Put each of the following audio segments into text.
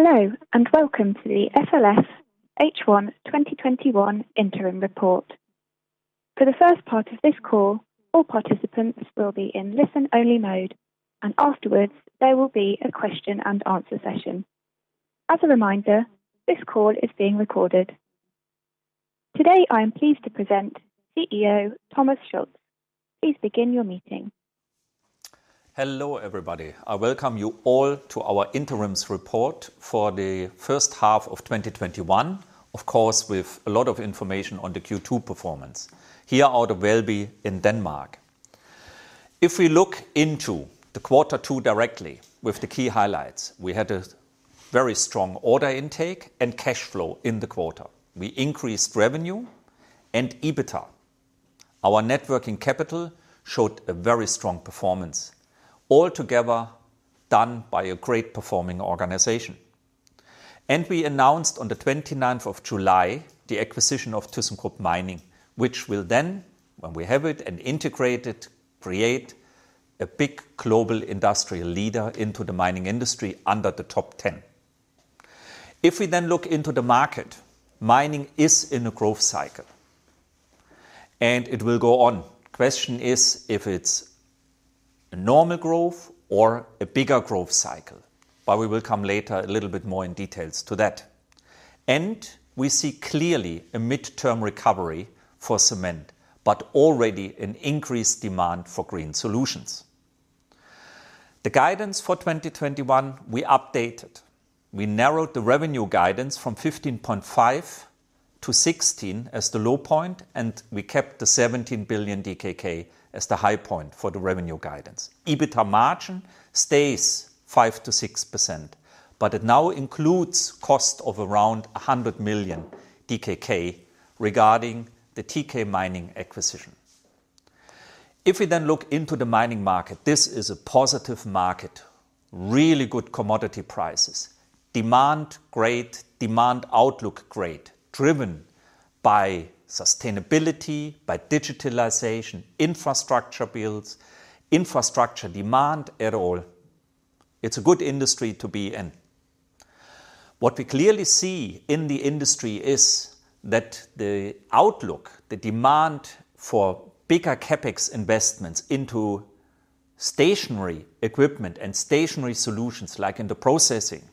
Hello, and welcome to the FLSmidth H1 2021 Interim Report. For the first part of this call, all participants will be in listen-only mode, and afterwards, there will be a question-and-answer session. As a reminder, this call is being recorded. Today, I am pleased to present CEO Thomas Schulz. Please begin your meeting. Hello, everybody. I welcome you all to our interims report for the first half of 2021. Of course, with a lot of information on the Q2 performance here out of Valby in Denmark. If we look into the quarter two directly with the key highlights, we had a very strong order intake and cash flow in the quarter. We increased revenue and EBITDA. Our net working capital showed a very strong performance, all together done by a great performing organization. We announced on the 29th of July the acquisition of thyssenkrupp Mining, which will then, when we have it and integrate it, create a big global industrial leader into the mining industry under the top 10. If we then look into the market, mining is in a growth cycle, and it will go on. Question is if it's a normal growth or a bigger growth cycle. We will come later a little bit more in details to that. We see clearly a midterm recovery for cement. Already an increased demand for green solutions. The guidance for 2021, we updated. We narrowed the revenue guidance from 15.5 billion-16 billion as the low point. We kept the 17 billion DKK as the high point for the revenue guidance. EBITDA margin stays 5%-6%, it now includes cost of around 100 million DKK regarding the TK Mining acquisition. If we look into the mining market, this is a positive market. Really good commodity prices. Demand, great. Demand outlook, great. Driven by sustainability, by digitalization, infrastructure builds, infrastructure demand et al. It's a good industry to be in. What we clearly see in the industry is that the outlook, the demand for bigger CapEx investments into stationary equipment and stationary solutions, like in the processing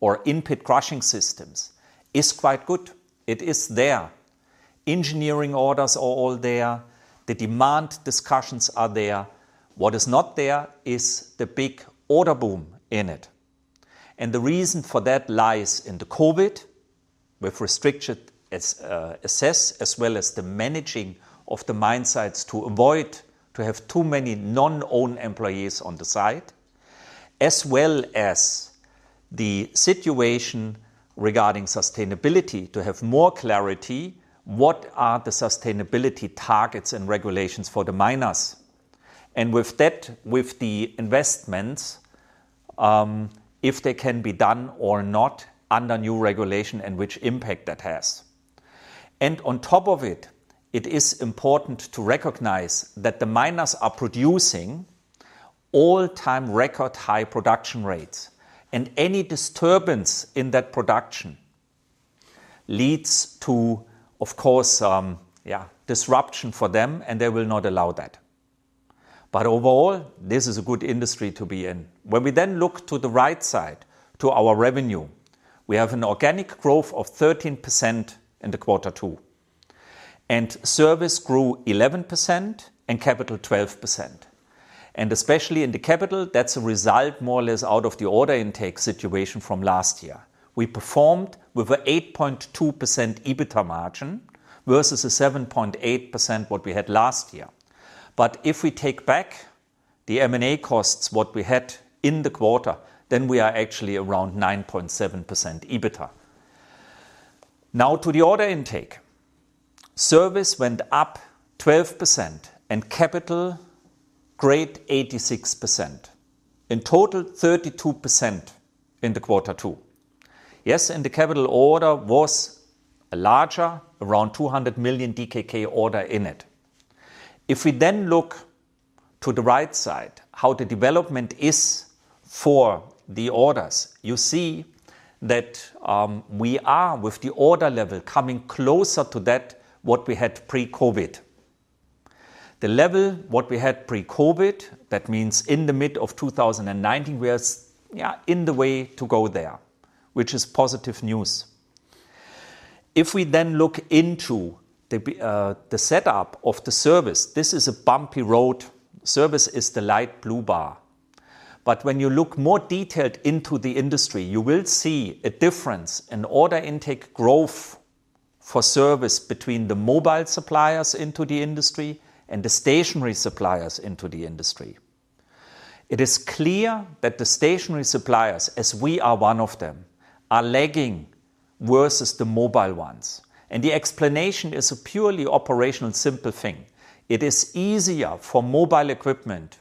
or in-pit crushing systems, is quite good. It is there. Engineering orders are all there. The demand discussions are there. What is not there is the big order boom in it. The reason for that lies in the COVID, with restricted access, as well as the managing of the mine sites to avoid to have too many non-own employees on the site, as well as the situation regarding sustainability. To have more clarity, what are the sustainability targets and regulations for the miners? With that, with the investments, if they can be done or not under new regulation and which impact that has. On top of it is important to recognize that the miners are producing all-time record high production rates, and any disturbance in that production leads to, of course, disruption for them, and they will not allow that. Overall, this is a good industry to be in. When we look to the right side to our revenue, we have an organic growth of 13% in the quarter two. Service grew 11% and capital 12%. Especially in the capital, that's a result more or less out of the order intake situation from last year. We performed with a 8.2% EBITDA margin versus a 7.8% what we had last year. If we take back the M&A costs, what we had in the quarter, then we are actually around 9.7% EBITDA. Now to the order intake. Service went up 12% and capital, great 86%. In total, 32% in the quarter two. Yes, the capital order was a larger, around 200 million DKK order in it. If we look to the right side, how the development is for the orders, you see that we are, with the order level, coming closer to that what we had pre-COVID. The level what we had pre-COVID, that means in the mid of 2019, we are in the way to go there, which is positive news. If we look into the setup of the service, this is a bumpy road. Service is the light blue bar. When you look more detailed into the industry, you will see a difference in order intake growth for service between the mobile suppliers into the industry and the stationary suppliers into the industry. It is clear that the stationary suppliers, as we are one of them, are lagging versus the mobile ones. The explanation is a purely operational, simple thing. It is easier for mobile equipment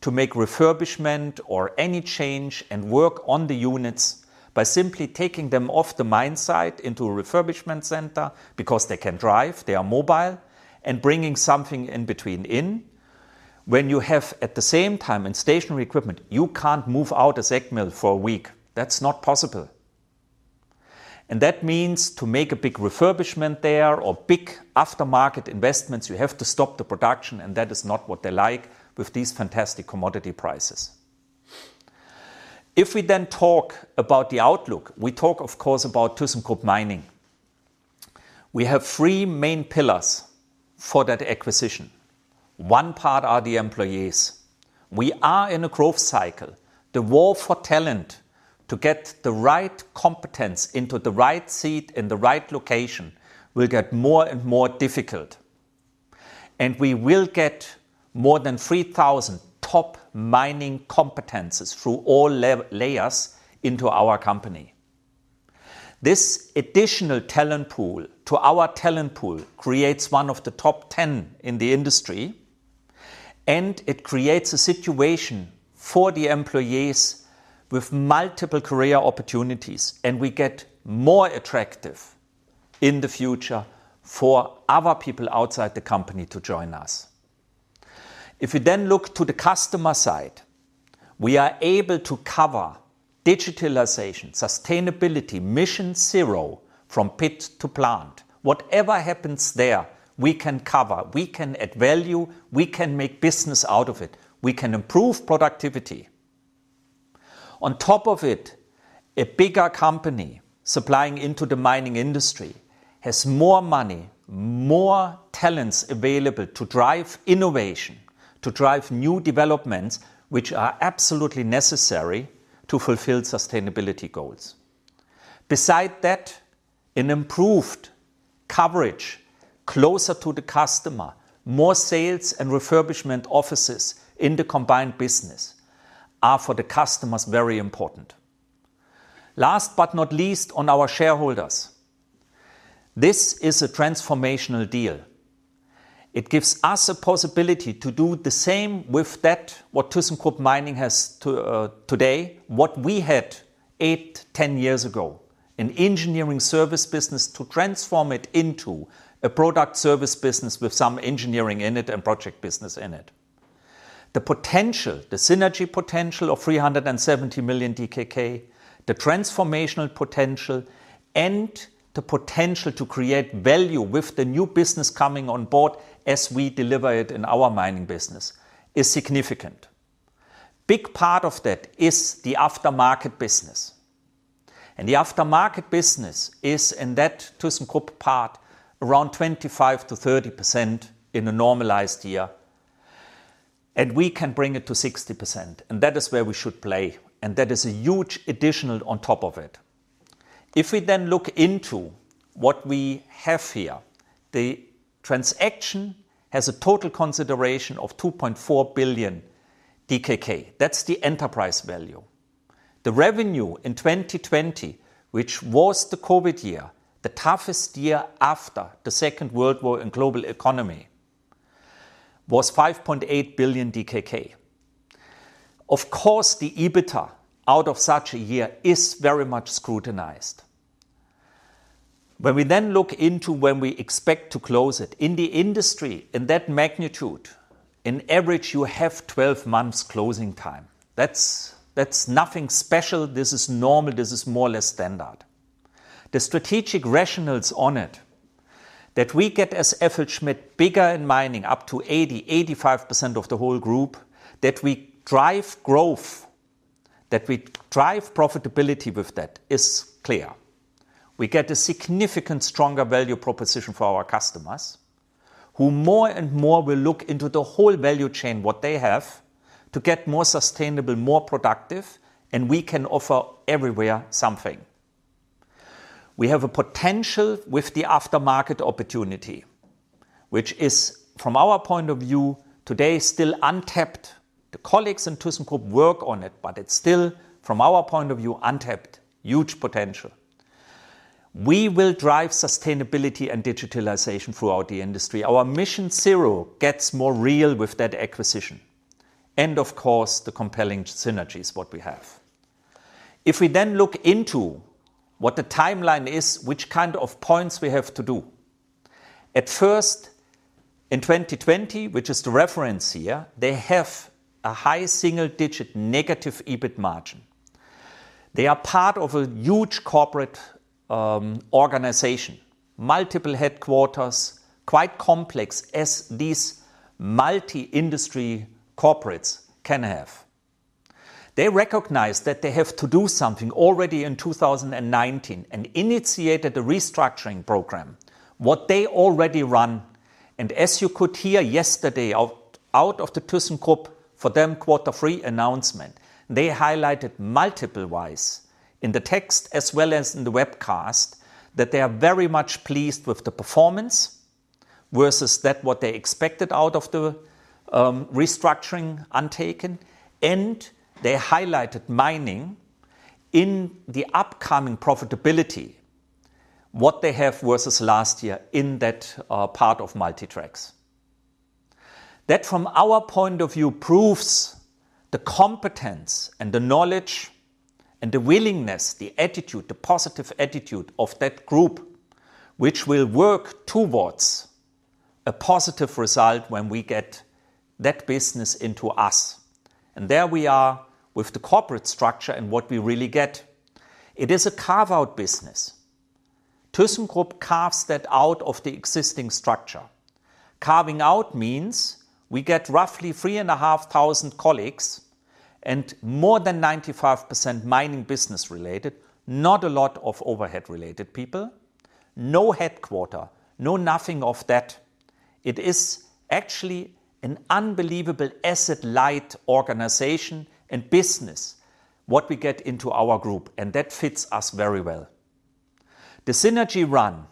to make refurbishment or any change and work on the units by simply taking them off the mine site into a refurbishment center because they can drive, they are mobile, and bringing something in between. When you have at the same time in stationary equipment, you can't move out a SAG mill for a week. That's not possible. That means to make a big refurbishment there or big aftermarket investments, you have to stop the production, and that is not what they like with these fantastic commodity prices. If we talk about the outlook, we talk of course about thyssenkrupp Mining. We have three main pillars for that acquisition. One part are the employees. We are in a growth cycle. The war for talent to get the right competence into the right seat in the right location will get more and more difficult. We will get more than 3,000 top mining competences through all layers into our company. This additional talent pool to our talent pool creates one of the top 10 in the industry, and it creates a situation for the employees with multiple career opportunities, and we get more attractive in the future for other people outside the company to join us. If we then look to the customer side, we are able to cover digitalization, sustainability, MissionZero from pit to plant. Whatever happens there, we can cover. We can add value. We can make business out of it. We can improve productivity. On top of it, a bigger company supplying into the mining industry has more money, more talents available to drive innovation, to drive new developments, which are absolutely necessary to fulfill sustainability goals. Beside that, an improved coverage closer to the customer, more sales and refurbishment offices in the combined business are, for the customers, very important. Last but not least, on our shareholders. This is a transformational deal. It gives us a possibility to do the same with that, what thyssenkrupp Mining has today, what we had eight, 10 years ago, an engineering service business to transform it into a product service business with some engineering in it and project business in it. The potential, the synergy potential of 370 million DKK, the transformational potential, and the potential to create value with the new business coming on board as we deliver it in our mining business is significant. Big part of that is the aftermarket business, and the aftermarket business is, in that thyssenkrupp part, around 25% to 30% in a normalized year, and we can bring it to 60%. That is where we should play, and that is a huge additional on top of it. If we then look into what we have here, the transaction has a total consideration of 2.4 billion DKK. That's the enterprise value. The revenue in 2020, which was the COVID year, the toughest year after the Second World War and global economy, was 5.8 billion DKK. Of course, the EBITDA out of such a year is very much scrutinized. When we then look into when we expect to close it, in the industry, in that magnitude, in average, you have 12 months closing time. That's nothing special. This is normal. This is more or less standard. The strategic rationals on it that we get as FLSmidth bigger in mining, up to 80%, 85% of the whole group, that we drive growth, that we drive profitability with that is clear. We get a significant stronger value proposition for our customers, who more and more will look into the whole value chain, what they have, to get more sustainable, more productive, and we can offer everywhere something. We have a potential with the aftermarket opportunity, which is, from our point of view today, still untapped. The colleagues in thyssenkrupp work on it, but it's still, from our point of view, untapped. Huge potential. We will drive sustainability and digitalization throughout the industry. Our MissionZero gets more real with that acquisition. Of course, the compelling synergy is what we have. If we look into what the timeline is, which kind of points we have to do. At first, in 2020, which is the reference here, they have a high single-digit negative EBIT margin. They are part of a huge corporate organization, multiple headquarters, quite complex as these multi-industry corporates can have. They recognize that they have to do something already in 2019 and initiated a restructuring program, what they already run. As you could hear yesterday out of the thyssenkrupp, for them, quarter three announcement, they highlighted multiple ways in the text as well as in the webcast that they are very much pleased with the performance versus that what they expected out of the restructuring undertaken. They highlighted mining in the upcoming profitability, what they have versus last year in that part of Multi Tracks. That, from our point of view, proves the competence and the knowledge. The willingness, the attitude, the positive attitude of that group, which will work towards a positive result when we get that business into us. There we are with the corporate structure and what we really get. It is a carve-out business. thyssenkrupp carves that out of the existing structure. Carving out means we get roughly 3,500 colleagues and more than 95% mining business related, not a lot of overhead-related people. No headquarters, no nothing of that. It is actually an unbelievable asset-light organization and business what we get into our group, and that fits us very well. The synergy run,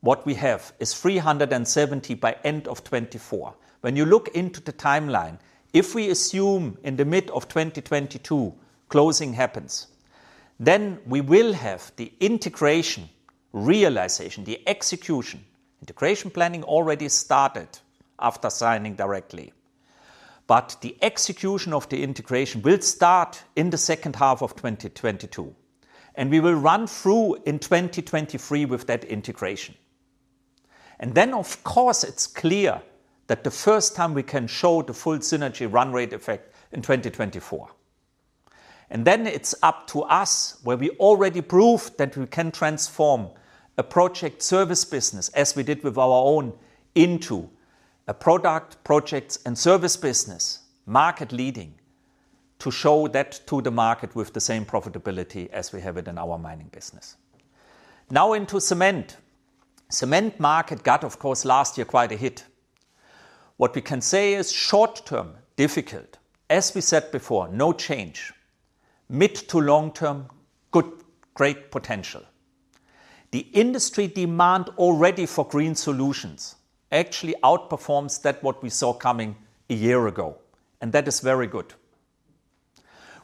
what we have is 370 by end of 2024. When you look into the timeline, if we assume in the mid of 2022 closing happens, then we will have the integration realization, the execution. Integration planning already started after signing directly. The execution of the integration will start in the second half of 2022, and we will run through in 2023 with that integration. Then of course it's clear that the first time we can show the full synergy run rate effect in 2024. Then it's up to us where we already proved that we can transform a project service business as we did with our own into a product, projects, and service business, market leading, to show that to the market with the same profitability as we have it in our mining business. Now into cement. Cement market got, of course, last year quite a hit. What we can say is short-term, difficult. As we said before, no change. Mid to long-term, good, great potential. The industry demand already for green solutions actually outperforms that what we saw coming a year ago. That is very good.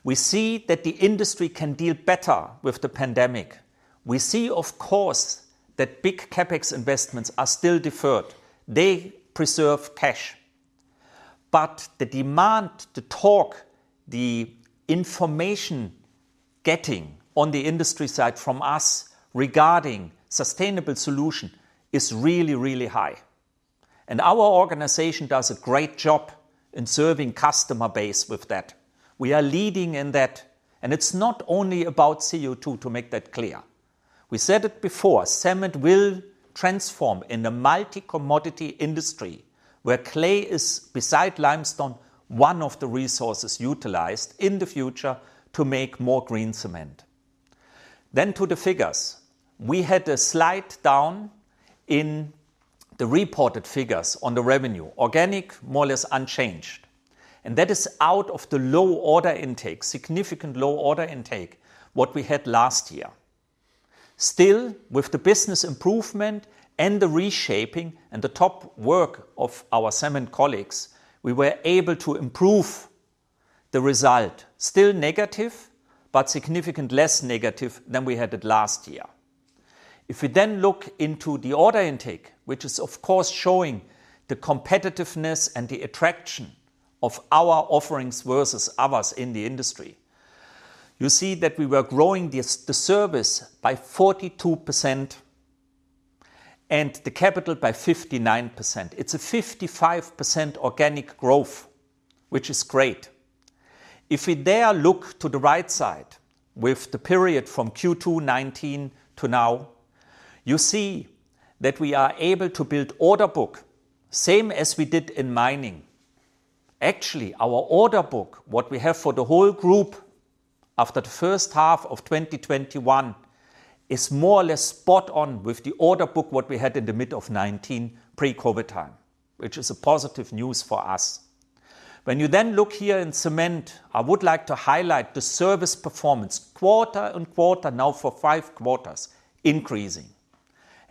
We see that the industry can deal better with the pandemic. We see, of course, that big CapEx investments are still deferred. They preserve cash. The demand, the talk, the information getting on the industry side from us regarding sustainable solution is really, really high. Our organization does a great job in serving customer base with that. We are leading in that, and it's not only about CO2, to make that clear. We said it before, cement will transform in a multi-commodity industry where clay is, beside limestone, one of the resources utilized in the future to make more green cement. To the figures. We had a slight down in the reported figures on the revenue. Organic, more or less unchanged. That is out of the low order intake, significant low order intake, what we had last year. Still, with the business improvement and the reshaping and the top work of our cement colleagues, we were able to improve the result. Still negative, but significant less negative than we had it last year. If we look into the order intake, which is of course showing the competitiveness and the attraction of our offerings versus others in the industry, you see that we were growing the service by 42% and the capital by 59%. It's a 55% organic growth, which is great. If we there look to the right side with the period from Q2 2019 to now, you see that we are able to build order book same as we did in mining. Actually, our order book, what we have for the whole group after the first half of 2021, is more or less spot on with the order book what we had in the mid of 2019, pre-COVID time, which is a positive news for us. When you look here in cement, I would like to highlight the service performance quarter-on-quarter now for five quarters, increasing.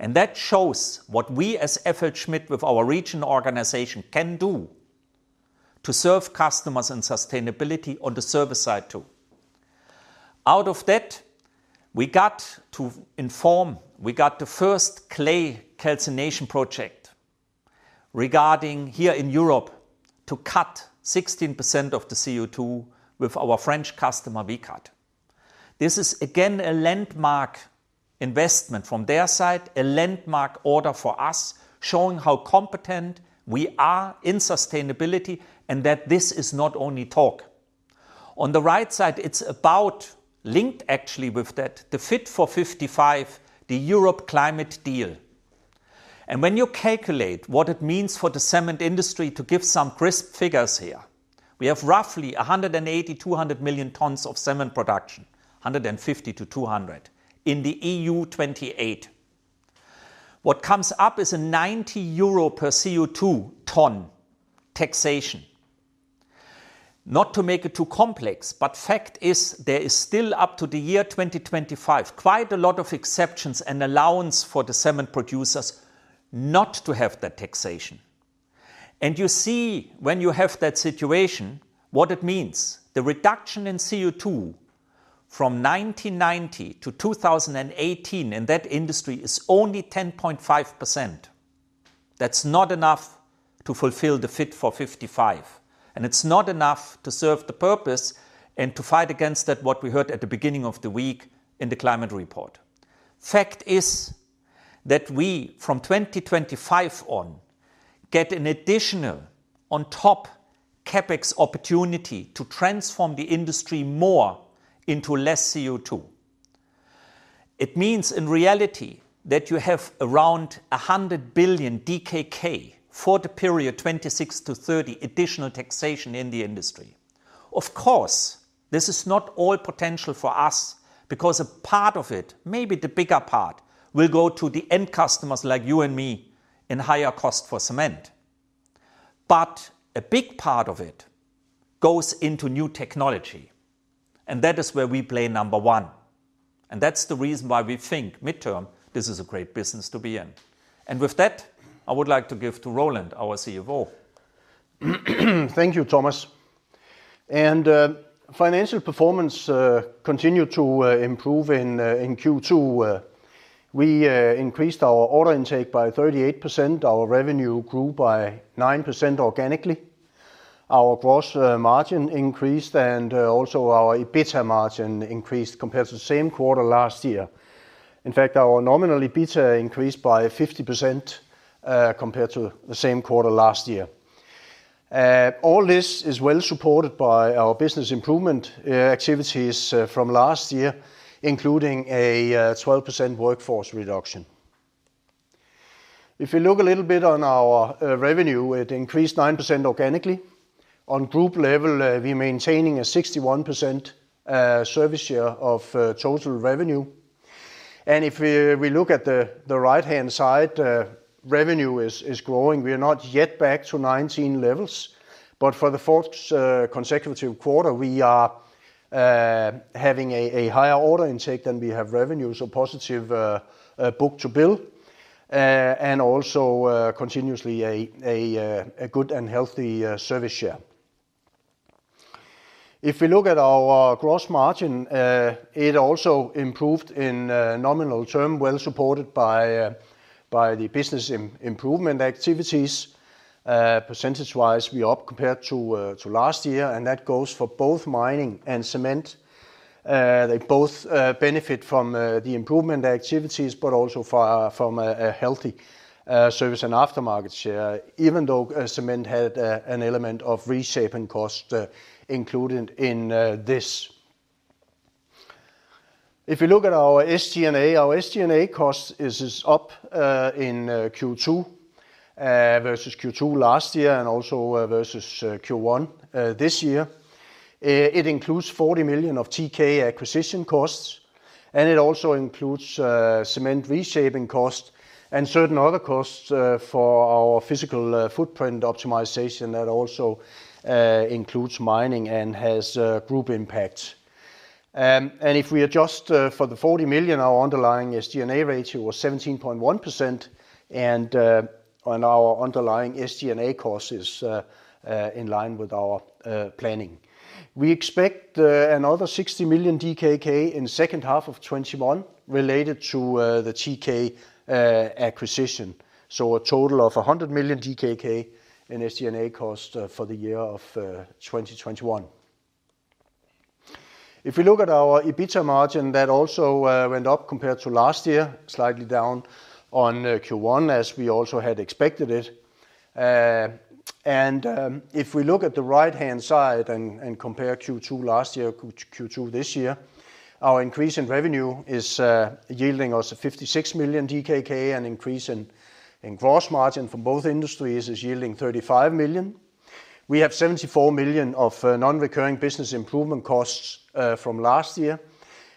That shows what we as FLSmidth with our regional organization can do to serve customers and sustainability on the service side, too. Out of that, we got to inform, we got the first clay calcination project regarding here in Europe to cut 16% of the CO2 with our French customer Vicat. This is again a landmark investment from their side, a landmark order for us, showing how competent we are in sustainability and that this is not only talk. On the right side, it's about, linked actually with that, the Fit for 55, the Europe Climate Deal. When you calculate what it means for the cement industry to give some crisp figures here, we have roughly 180 million-200 million tons of cement production, 150-200 in the EU 28. What comes up is a 90 euro per CO2 ton taxation. Not to make it too complex, but fact is there is still up to the year 2025 quite a lot of exceptions and allowance for the cement producers not to have that taxation. You see when you have that situation what it means. The reduction in CO2 from 1990 to 2018 in that industry is only 10.5%. That's not enough to fulfill the Fit for 55, and it's not enough to serve the purpose and to fight against that, what we heard at the beginning of the week in the climate report. Fact is that we, from 2025 on, get an additional on top CapEx opportunity to transform the industry more into less CO2. It means, in reality, that you have around 100 billion DKK for the period '26 to '30 additional taxation in the industry. Of course, this is not all potential for us because a part of it, maybe the bigger part, will go to the end customers like you and me in higher cost for cement. A big part of it goes into new technology, and that is where we play number one, and that's the reason why we think midterm, this is a great business to be in. With that, I would like to give to Roland, our CFO. Thank you, Thomas. Financial performance continued to improve in Q2. We increased our order intake by 38%, our revenue grew by 9% organically. Our gross margin increased and also our EBITDA margin increased compared to the same quarter last year. In fact, our nominal EBITDA increased by 50% compared to the same quarter last year. All this is well supported by our business improvement activities from last year, including a 12% workforce reduction. If you look a little bit on our revenue, it increased 9% organically. On group level, we're maintaining a 61% service share of total revenue. If we look at the right-hand side, revenue is growing. We are not yet back to 2019 levels, but for the fourth consecutive quarter, we are having a higher order intake than we have revenues, so positive book-to-bill, and also continuously a good and healthy service share. If we look at our gross margin, it also improved in nominal term, well supported by the business improvement activities. Percentage-wise, we are up compared to last year, and that goes for both mining and cement. They both benefit from the improvement activities, but also from a healthy service and aftermarket share, even though cement had an element of reshaping cost included in this. If you look at our SG&A, our SG&A cost is up in Q2 versus Q2 last year and also versus Q1 this year. It includes 40 million of TK acquisition costs, and it also includes cement reshaping costs and certain other costs for our physical footprint optimization that also includes mining and has group impact. If we adjust for the 40 million, our underlying SG&A ratio was 17.1%, and our underlying SG&A cost is in line with our planning. We expect another 60 million DKK in the second half of 2021 related to the TK acquisition. A total of 100 million DKK in SG&A cost for the year of 2021. If we look at our EBITDA margin, that also went up compared to last year, slightly down on Q1, as we also had expected it. If we look at the right-hand side and compare Q2 last year to Q2 this year, our increase in revenue is yielding us a 56 million DKK, an increase in gross margin from both industries is yielding 35 million. We have 74 million of non-recurring business improvement costs from last year,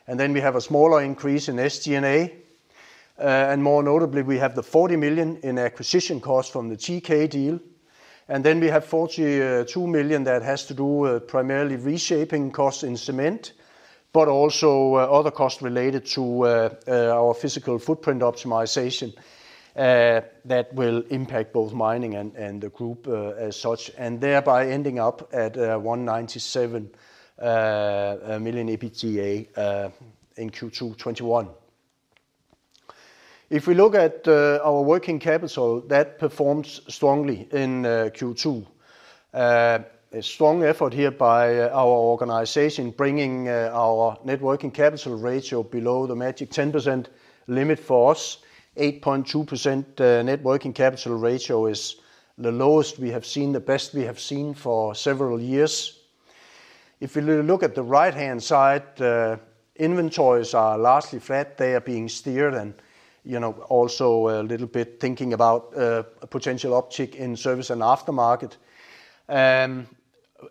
and then we have a smaller increase in SG&A. More notably, we have the 40 million in acquisition costs from the TK deal, then we have 42 million that has to do with primarily reshaping costs in cement, but also other costs related to our physical footprint optimization, that will impact both mining and the group as such, thereby ending up at 197 million EBITDA in Q2 2021. Looking at our working capital, that performs strongly in Q2. A strong effort here by our organization, bringing our net working capital ratio below the magic 10% limit for us. 8.2% net working capital ratio is the lowest we have seen, the best we have seen for several years. Looking at the right-hand side, inventories are largely flat. They are being steered and also a little bit thinking about a potential uptick in service and aftermarket.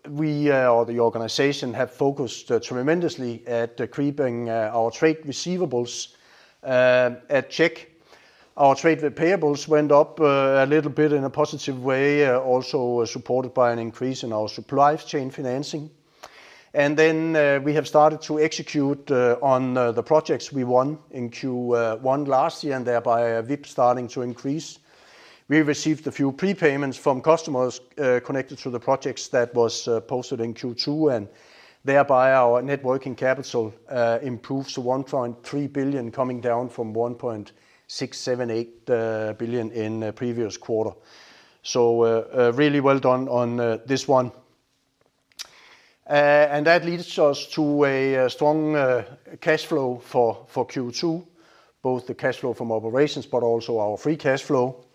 We, or the organization, have focused tremendously at creeping our trade receivables at check. Our trade payables went up a little bit in a positive way, also supported by an increase in our supply chain financing. We have started to execute on the projects we won in Q1 last year, and thereby WIP starting to increase. We received a few prepayments from customers connected to the projects that was posted in Q2, and thereby our net working capital improves to 1.3 billion, coming down from 1.678 billion in the previous quarter. Really well done on this one. That leads us to a strong cash flow for Q2, both the cash flow from operations, but also our free cash flow.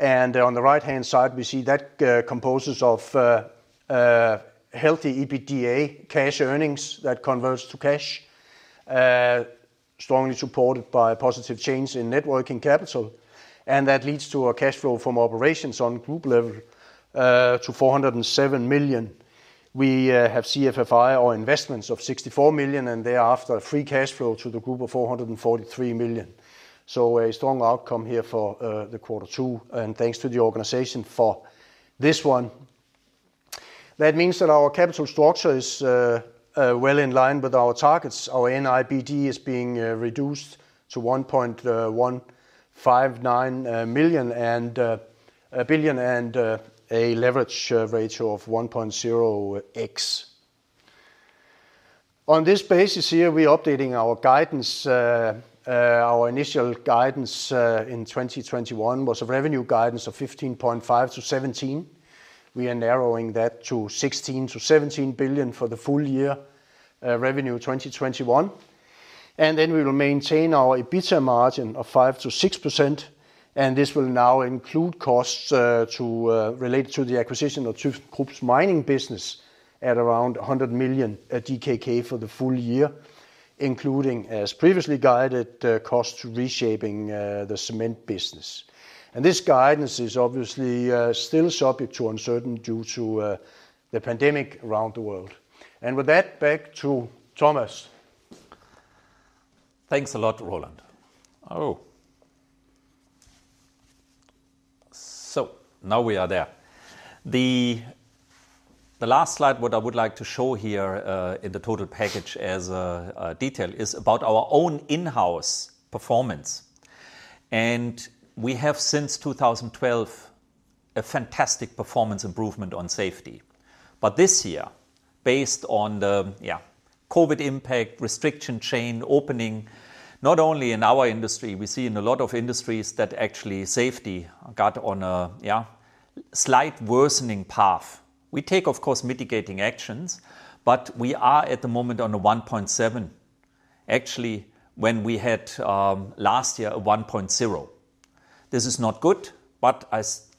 On the right-hand side, we see that composes of healthy EBITDA cash earnings that converts to cash, strongly supported by a positive change in net working capital. That leads to a cash flow from operations on group level to 407 million. We have CFFI or investments of 64 million, and thereafter, free cash flow to the group of 443 million. A strong outcome here for the quarter 2, and thanks to the organization for this one. That means that our capital structure is well in line with our targets. Our NIBD is being reduced to 1.159 billion, and a leverage ratio of 1.0X. On this basis here, we are updating our guidance. Our initial guidance in 2021 was a revenue guidance of 15.5 billion-17 billion. We are narrowing that to 16 billion-17 billion for the full year revenue 2021. We will maintain our EBITDA margin of 5%-6%, and this will now include costs related to the acquisition of thyssenkrupp's mining business at around 100 million DKK for the full year, including, as previously guided, costs reshaping the cement business. This guidance is obviously still subject to uncertain due to the pandemic around the world. With that, back to Thomas. Thanks a lot, Roland. Now we are there. The last slide, what I would like to show here, in the total package as a detail is about our own in-house performance. We have since 2012, a fantastic performance improvement on safety. This year, based on the COVID impact, restriction chain opening, not only in our industry, we see in a lot of industries that actually safety got on a slight worsening path. We take, of course, mitigating actions, but we are at the moment on a 1.7. Actually, when we had, last year, a 1.0. This is not good, but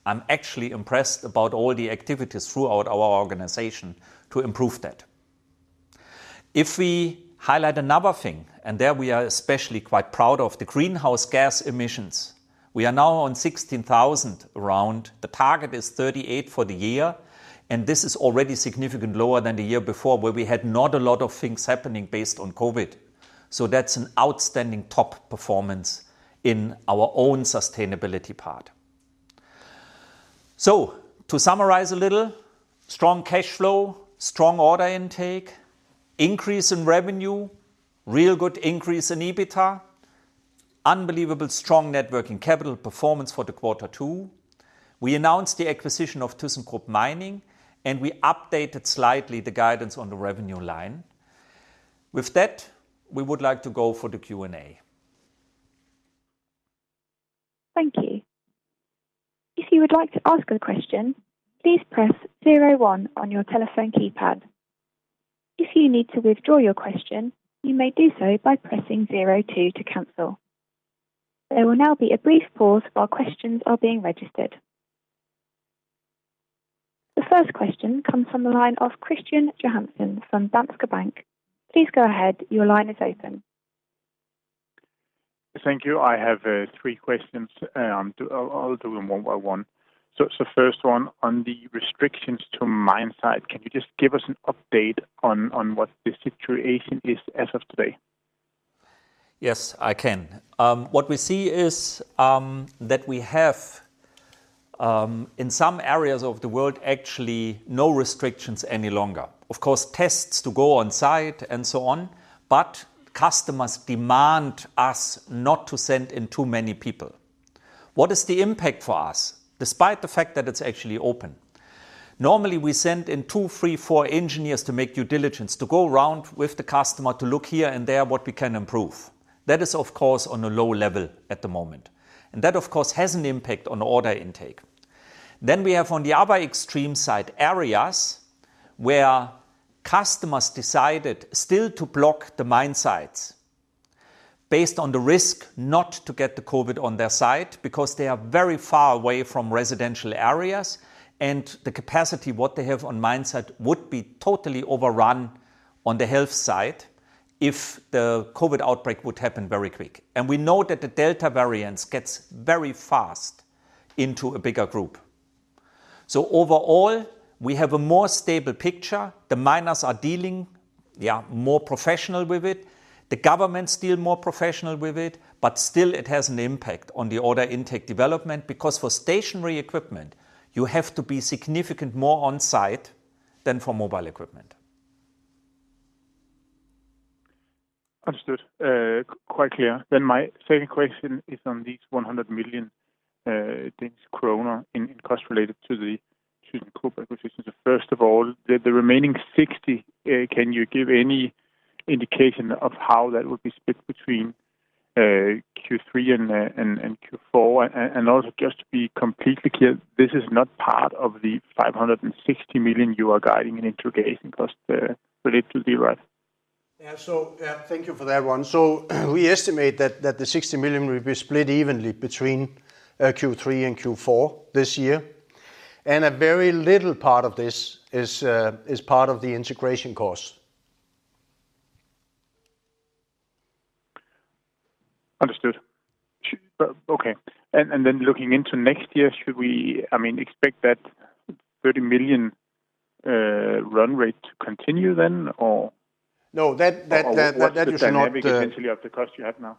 I'm actually impressed about all the activities throughout our organization to improve that. If we highlight another thing, there we are especially quite proud of the greenhouse gas emissions. We are now on 16,000 around. The target is 38 for the year, this is already significant lower than the year before, where we had not a lot of things happening based on COVID. That's an outstanding top performance in our own sustainability part. To summarize a little, strong cash flow, strong order intake, increase in revenue, real good increase in EBITDA, unbelievable strong net working capital performance for the quarter two. We announced the acquisition of thyssenkrupp Mining, we updated slightly the guidance on the revenue line. With that, we would like to go for the Q&A. Thank you. If you would like to ask a question, please press 01 on your telephone keypad. If you need to withdraw your question, you may do so by pressing 02 to cancel. There will now be a brief pause while questions are being registered. The first question comes from the line of Christian Johansen from Danske Bank. Please go ahead. Your line is open. Thank you. I have three questions. I'll do them one by one. The first one on the restrictions to mine site. Can you just give us an update on what the situation is as of today? Yes, I can. What we see is that we have, in some areas of the world, actually no restrictions any longer. Of course, tests to go on site and so on, but customers demand us not to send in too many people. What is the impact for us, despite the fact that it's actually open? Normally, we send in two, three, four engineers to make due diligence, to go around with the customer to look here and there, what we can improve. That is, of course, on a low level at the moment. That, of course, has an impact on order intake. We have on the other extreme side, areas where customers decided still to block the mine sites based on the risk not to get the COVID on their site, because they are very far away from residential areas, and the capacity what they have on mine site would be totally overrun on the health side if the COVID outbreak would happen very quick. We know that the Delta variant gets very fast into a bigger group. Overall, we have a more stable picture. The miners are dealing, they are more professional with it. The governments still more professional with it, but still it has an impact on the order intake development, because for stationary equipment, you have to be significant more on-site than for mobile equipment. Understood. Quite clear. My second question is on these 100 million Danish kroner in costs related to the thyssenkrupp acquisition. First of all, the remaining 60 million, can you give any indication of how that would be split between Q3 and Q4. Also, just to be completely clear, this is not part of the 560 million you are guiding in integration cost related to the rest? Yeah, thank you for that one. We estimate that the 60 million will be split evenly between Q3 and Q4 this year, and a very little part of this is part of the integration cost. Understood. Okay. Looking into next year, should we expect that 30 million run rate to continue? No, that is not the. What's the dynamic essentially of the cost you have now?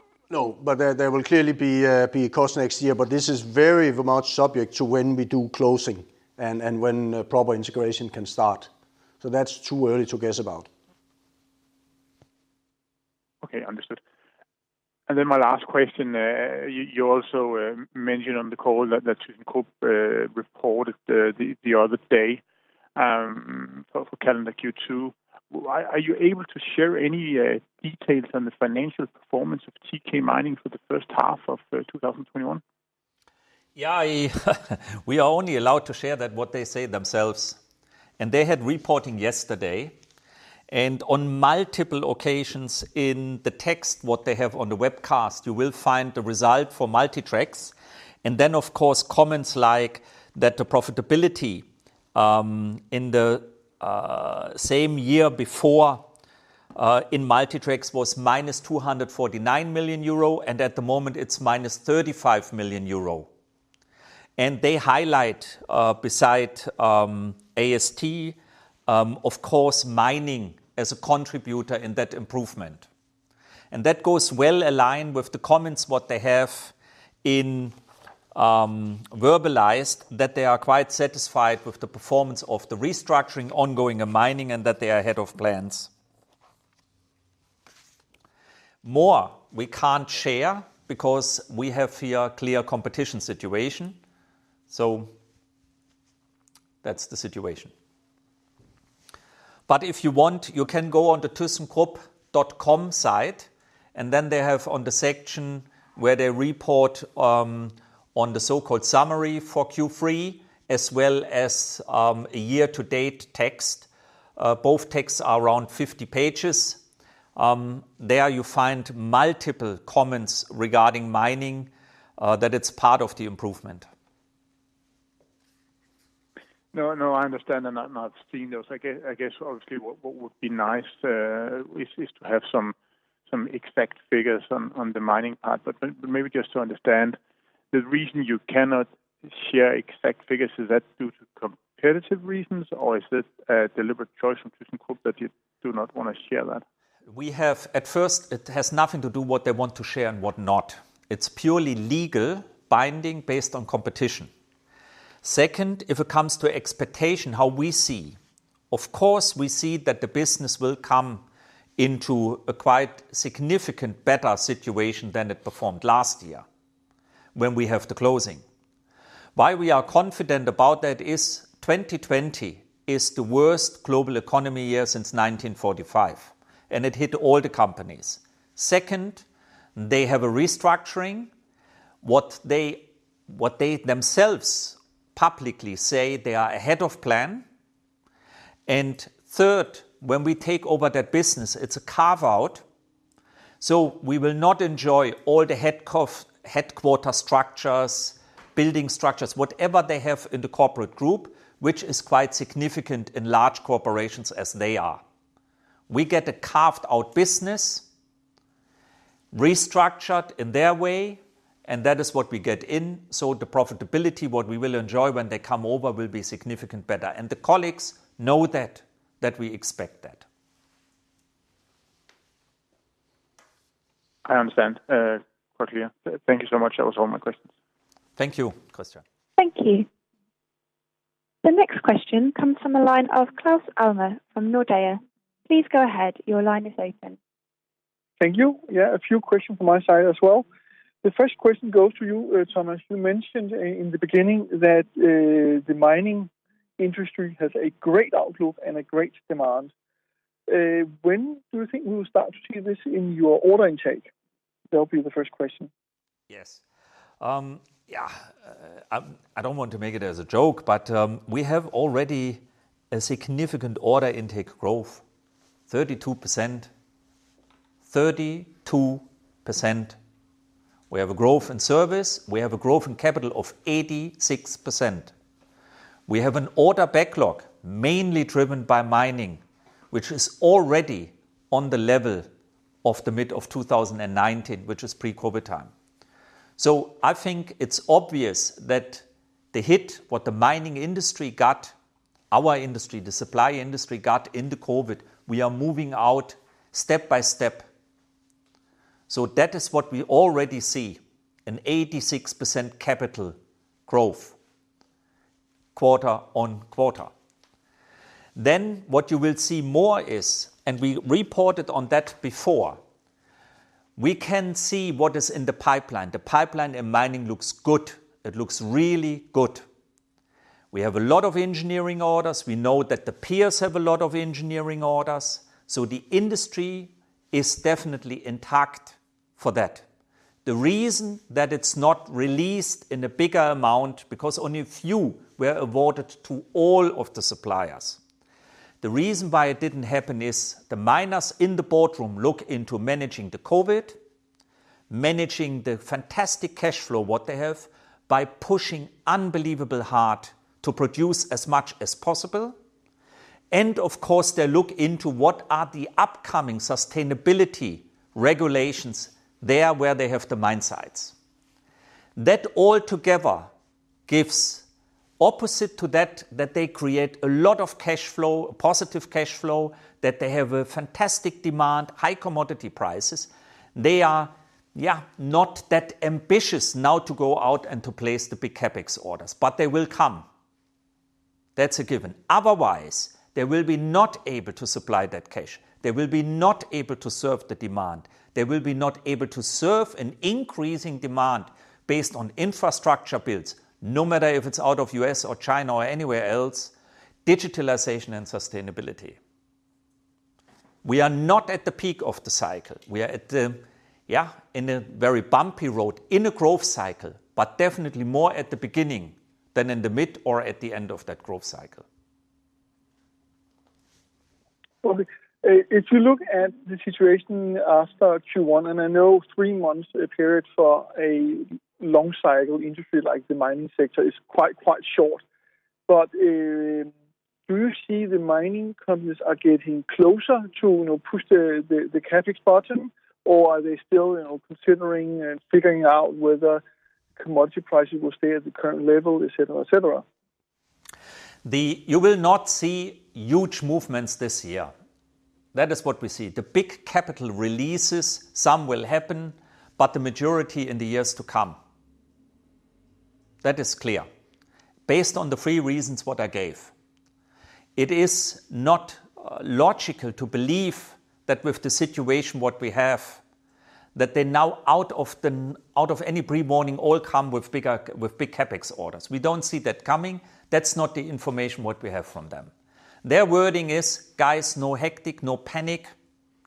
There will clearly be a cost next year, but this is very much subject to when we do closing and when proper integration can start. That's too early to guess about. Okay, understood. My last question, you also mentioned on the call that thyssenkrupp reported the other day, for calendar Q2. Are you able to share any details on the financial performance of TK Mining for the first half of 2021? Yeah. We are only allowed to share that what they say themselves. They had reporting yesterday, and on multiple occasions in the text, what they have on the webcast, you will find the result for Multi Tracks, and then of course, comments like that the profitability in the same year before in Multi Tracks was -249 million euro, and at the moment it's -35 million euro. They highlight, beside AST, of course, mining as a contributor in that improvement. That goes well aligned with the comments what they have verbalized, that they are quite satisfied with the performance of the restructuring ongoing in mining and that they are ahead of plans. More we can't share because we have here a clear competition situation. That's the situation. If you want, you can go on the thyssenkrupp.com site, and then they have on the section where they report on the so-called summary for Q3, as well as a year-to-date text. Both texts are around 50 pages. There you find multiple comments regarding mining, that it's part of the improvement. I understand, and I've seen those. I guess obviously what would be nice is to have some exact figures on the mining part. Maybe just to understand the reason you cannot share exact figures, is that due to competitive reasons, or is this a deliberate choice from thyssenkrupp that you do not want to share that? At first, it has nothing to do what they want to share and what not. It's purely legal binding based on competition. Second, if it comes to expectation, how we see, of course, we see that the business will come into a quite significant better situation than it performed last year when we have the closing. Why we are confident about that is 2020 is the worst global economy year since 1945, and it hit all the companies. Second, they have a restructuring. What they themselves publicly say, they are ahead of plan. Third, when we take over that business, it's a carve-out, so we will not enjoy all the headquarter structures, building structures, whatever they have in the corporate group, which is quite significant in large corporations as they are. We get a carved-out business restructured in their way, and that is what we get in. The profitability, what we will enjoy when they come over, will be significantly better. The colleagues know that we expect that. I understand. Got you. Thank you so much. That was all my questions. Thank you, Christian. Thank you. The next question comes from the line of Claus Almer from Nordea. Please go ahead. Thank you. Yeah, a few questions from my side as well. The first question goes to you, Thomas. You mentioned in the beginning that the mining industry has a great outlook and a great demand. When do you think we will start to see this in your order intake? That will be the first question. Yes. I don't want to make it as a joke, we have already a significant order intake growth, 32%. We have a growth in service. We have a growth in capital of 86%. We have an order backlog mainly driven by mining, which is already on the level of the mid of 2019, which is pre-COVID time. I think it's obvious that the hit what the mining industry got, our industry, the supply industry got into COVID, we are moving out step by step. That is what we already see, an 86% capital growth quarter-on-quarter. What you will see more is, and we reported on that before, we can see what is in the pipeline. The pipeline in mining looks good. It looks really good. We have a lot of engineering orders. We know that the peers have a lot of engineering orders. The industry is definitely intact for that. The reason that it's not released in a bigger amount, because only a few were awarded to all of the suppliers. The reason why it didn't happen is the miners in the boardroom look into managing the COVID, managing the fantastic cash flow, what they have, by pushing unbelievable hard to produce as much as possible. Of course, they look into what are the upcoming sustainability regulations there where they have the mine sites. That all together gives opposite to that they create a lot of cash flow, positive cash flow, that they have a fantastic demand, high commodity prices. They are, yeah, not that ambitious now to go out and to place the big CapEx orders. They will come. That's a given. Otherwise, they will be not able to supply that cash. They will be not able to serve the demand. They will be not able to serve an increasing demand based on infrastructure builds, no matter if it's out of U.S. or China or anywhere else, digitalization and sustainability. We are not at the peak of the cycle. We are at the, yeah, in a very bumpy road, in a growth cycle, but definitely more at the beginning than in the mid or at the end of that growth cycle. Well, if you look at the situation after Q1, and I know three months period for a long cycle industry like the mining sector is quite short. Do you see the mining companies are getting closer to push the CapEx button? Are they still considering and figuring out whether commodity pricing will stay at the current level, et cetera? You will not see huge movements this year. That is what we see. The big capital releases, some will happen, but the majority in the years to come. That is clear. Based on the three reasons what I gave. It is not logical to believe that with the situation what we have, that they're now out of any pre-warning all come with big CapEx orders. We don't see that coming. That's not the information what we have from them. Their wording is, "Guys, no hectic, no panic.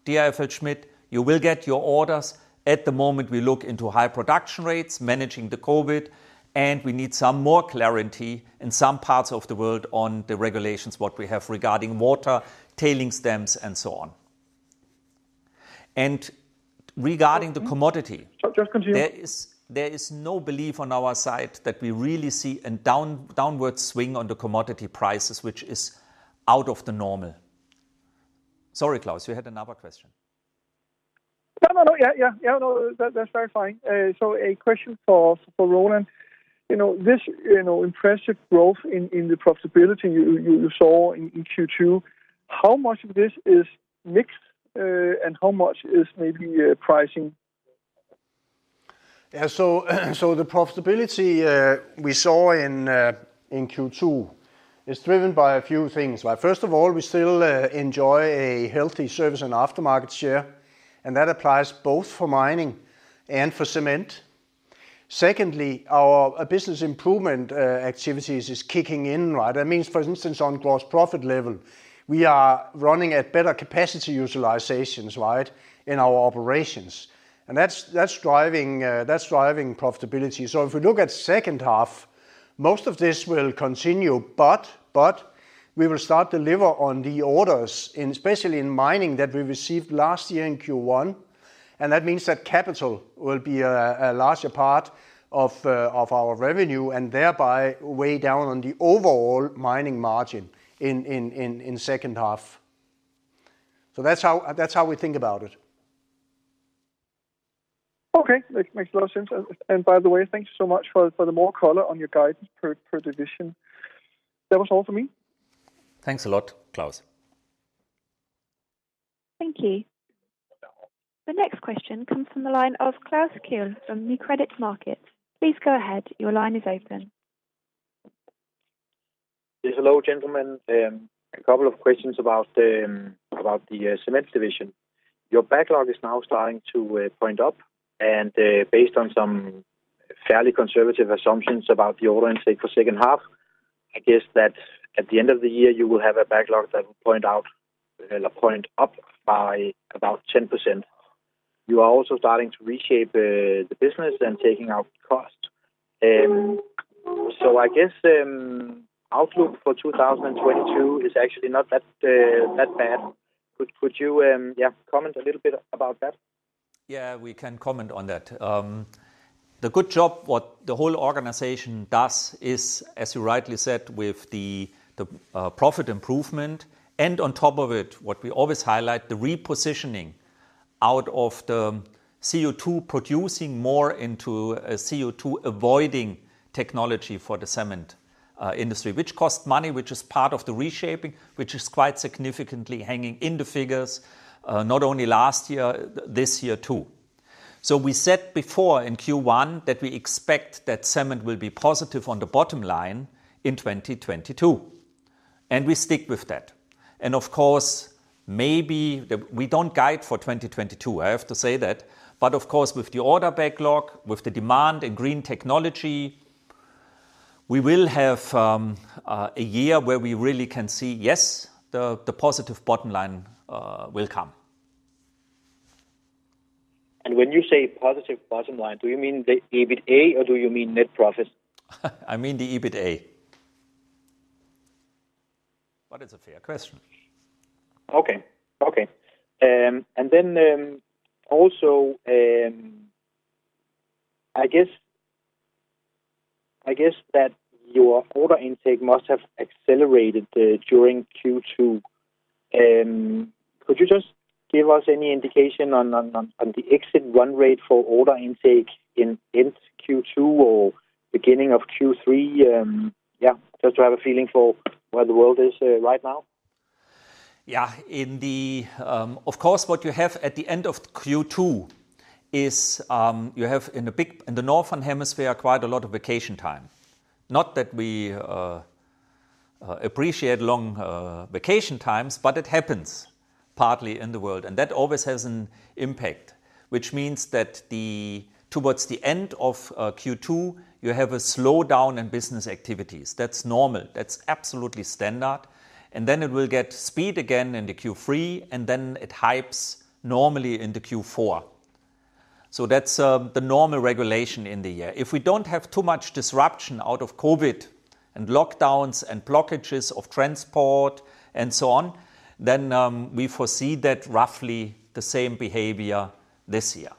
Dear FLSmidth, you will get your orders. At the moment, we look into high production rates, managing the COVID, and we need some more clarity in some parts of the world on the regulations, what we have regarding water, tailings dams, and so on. There is no belief on our side that we really see a downward swing on the commodity prices, which is out of the normal. Sorry, Claus, you had another question. No. That's very fine. A question for Roland. This impressive growth in the profitability you saw in Q2, how much of this is mix and how much is maybe pricing? Yeah. The profitability we saw in Q2 is driven by a few things, right? First of all, we still enjoy a healthy service and aftermarket share, and that applies both for mining and for cement. Secondly, our business improvement activities is kicking in, right? That means, for instance, on gross profit level, we are running at better capacity utilizations, right, in our operations. That's driving profitability. If we look at second half, most of this will continue, but we will start deliver on the orders in, especially in mining, that we received last year in Q1, and that means that capital will be a larger part of our revenue, and thereby weigh down on the overall mining margin in second half. That's how we think about it. Okay. Makes a lot of sense. By the way, thank you so much for the more color on your guidance per division. That was all for me. Thanks a lot, Claus. Thank you. The next question comes from the line of Klaus Kehl from Nykredit Markets. Please go ahead. Yes. Hello, gentlemen. A couple of questions about the Cement division. Your backlog is now starting to point up, and based on some fairly conservative assumptions about the order intake for second half, I guess that at the end of the year, you will have a backlog that will point up by about 10%. You are also starting to reshape the business and taking out cost. I guess, outlook for 2022 is actually not that bad. Could you, yeah, comment a little bit about that? Yeah, we can comment on that. The good job what the whole organization does is, as you rightly said, with the profit improvement, and on top of it, what we always highlight, the repositioning out of the CO2 producing more into a CO2 avoiding technology for the cement industry, which costs money, which is part of the reshaping, which is quite significantly hanging in the figures, not only last year, this year too. We said before in Q1 that we expect that cement will be positive on the bottom line in 2022. We stick with that. Of course, we don't guide for 2022, I have to say that, but of course, with the order backlog, with the demand and green technology, we will have a year where we really can see, yes, the positive bottom line will come. When you say positive bottom line, do you mean the EBITA or do you mean net profit? I mean the EBITA. It's a fair question. Okay. Also, I guess that your order intake must have accelerated during Q2. Could you just give us any indication on the exit run rate for order intake in end Q2 or beginning of Q3? Yeah, just to have a feeling for where the world is right now. Yeah. Of course, what you have at the end of Q2 is, you have in the Northern Hemisphere, quite a lot of vacation time. Not that we appreciate long vacation times, but it happens partly in the world. That always has an impact, which means that towards the end of Q2, you have a slowdown in business activities. That's normal. That's absolutely standard. Then it will get speed again in the Q3, and then it hypes normally into Q4. That's the normal regulation in the year. If we don't have too much disruption out of COVID and lockdowns and blockages of transport and so on, then we foresee that roughly the same behavior this year.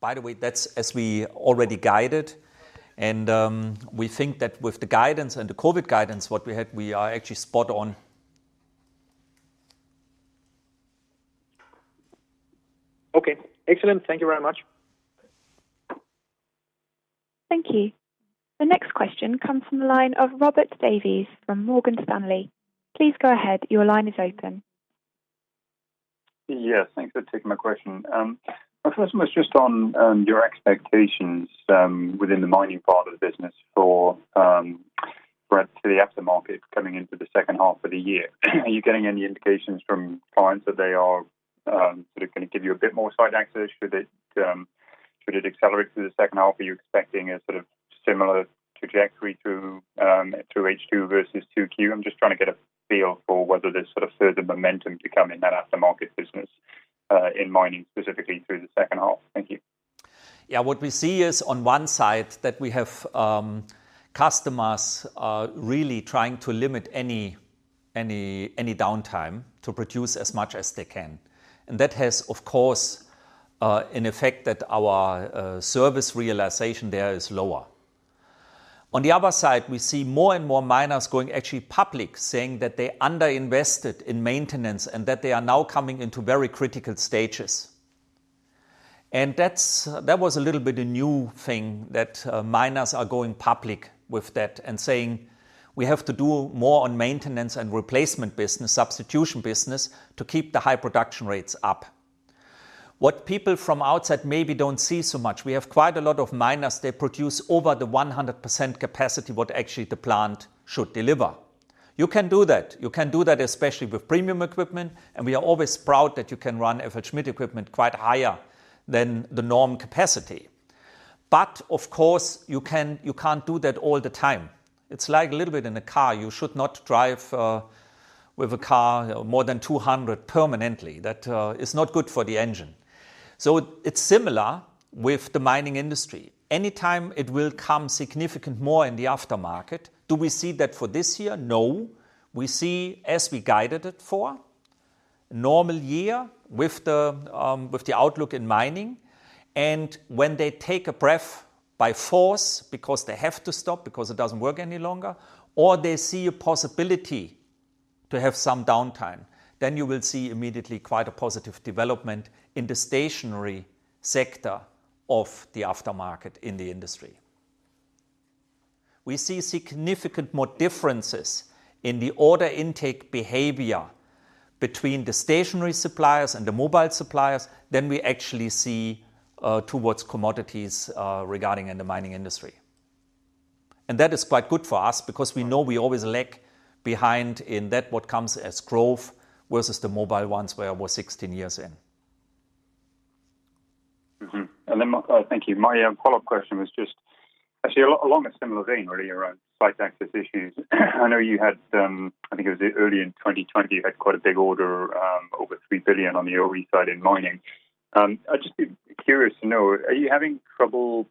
By the way, that's as we already guided, and we think that with the guidance and the COVID guidance, what we had, we are actually spot on. Okay. Excellent. Thank you very much. Thank you. The next question comes from the line of Robert Davies from Morgan Stanley. Please go ahead. Your line is open. Yes, thanks for taking my question. My first one was just on your expectations within the mining part of the business for breadth to the aftermarket coming into the second half of the year. Are you getting any indications from clients that they are going to give you a bit more site access? Should it accelerate through the second half? Are you expecting a similar trajectory through H2 versus 2Q? I'm just trying to get a feel for whether there's further momentum to come in that aftermarket business, in mining specifically through the second half. Thank you. Yeah. What we see is on one side that we have customers are really trying to limit any downtime to produce as much as they can. That has, of course, an effect that our service realization there is lower. On the other side, we see more and more miners going actually public saying that they under-invested in maintenance and that they are now coming into very critical stages. That was a little bit a new thing, that miners are going public with that and saying, "We have to do more on maintenance and replacement business, substitution business, to keep the high production rates up." What people from outside maybe don't see so much, we have quite a lot of miners, they produce over the 100% capacity what actually the plant should deliver. You can do that. You can do that especially with premium equipment, and we are always proud that you can run a FLSmidth equipment quite higher than the norm capacity. Of course, you can't do that all the time. It's like a little bit in a car. You should not drive with a car more than 200 permanently. That is not good for the engine. It's similar with the mining industry. Anytime it will come significant more in the aftermarket. Do we see that for this year? No. We see as we guided it for. Normal year with the outlook in mining, and when they take a breath by force because they have to stop because it doesn't work any longer, or they see a possibility to have some downtime, then you will see immediately quite a positive development in the stationary sector of the aftermarket in the industry. We see significant more differences in the order intake behavior between the stationary suppliers and the mobile suppliers than we actually see towards commodities regarding in the mining industry. That is quite good for us because we know we always lag behind in that what comes as growth versus the mobile ones we are almost 16 years in. Thank you. My follow-up question was just actually along a similar vein, really, around site access issues. I know you had, I think it was early in 2020, you had quite a big order, over 3 billion on the OE side in mining. I'd just be curious to know, are you having trouble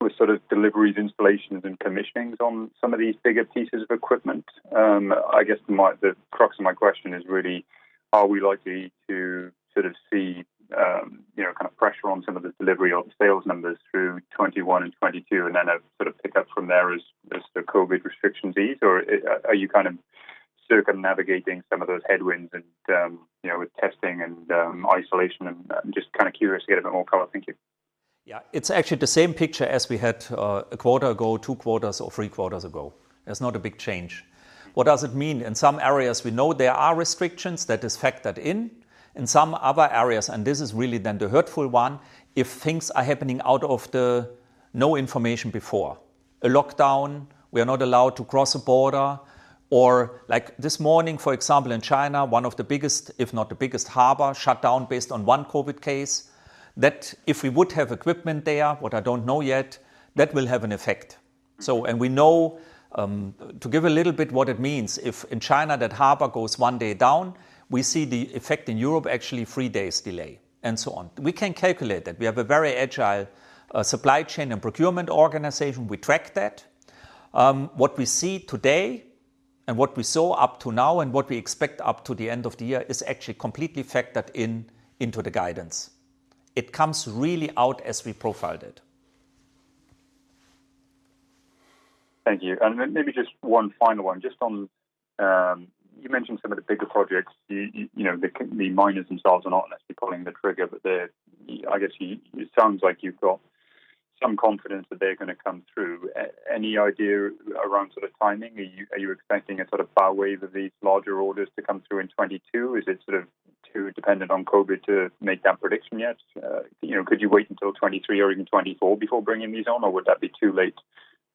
with sort of deliveries, installations, and commissionings on some of these bigger pieces of equipment? I guess the crux of my question is really, are we likely to see pressure on some of the delivery of the sales numbers through 2021 and 2022, and then a pick up from there as the COVID restrictions ease? Are you kind of circumnavigating some of those headwinds and with testing and isolation and I'm just kind of curious to get a bit more color. Thank you. Yeah. It's actually the same picture as we had a quarter ago, two quarters or three quarters ago. It's not a big change. What does it mean? In some areas, we know there are restrictions that is factored in. In some other areas, and this is really then the hurtful one, if things are happening out of the no information before, a lockdown, we are not allowed to cross a border, or like this morning, for example, in China, one of the biggest, if not the biggest harbor shut down based on one COVID case. That, if we would have equipment there, what I don't know yet, that will have an effect. We know, to give a little bit what it means, if in China that harbor goes one day down, we see the effect in Europe, actually three days delay, and so on. We can calculate that. We have a very agile supply chain and procurement organization. We track that. What we see today and what we saw up to now and what we expect up to the end of the year is actually completely factored into the guidance. It comes really out as we profiled it. Thank you. Maybe just one final one. Just on, you mentioned some of the bigger projects. The miners themselves are not necessarily pulling the trigger, I guess it sounds like you've got some confidence that they're going to come through. Any idea around sort of timing? Are you expecting a sort of power wave of these larger orders to come through in 2022? Is it sort of too dependent on COVID to make that prediction yet? Could you wait until 2023 or even 2024 before bringing these on, or would that be too late,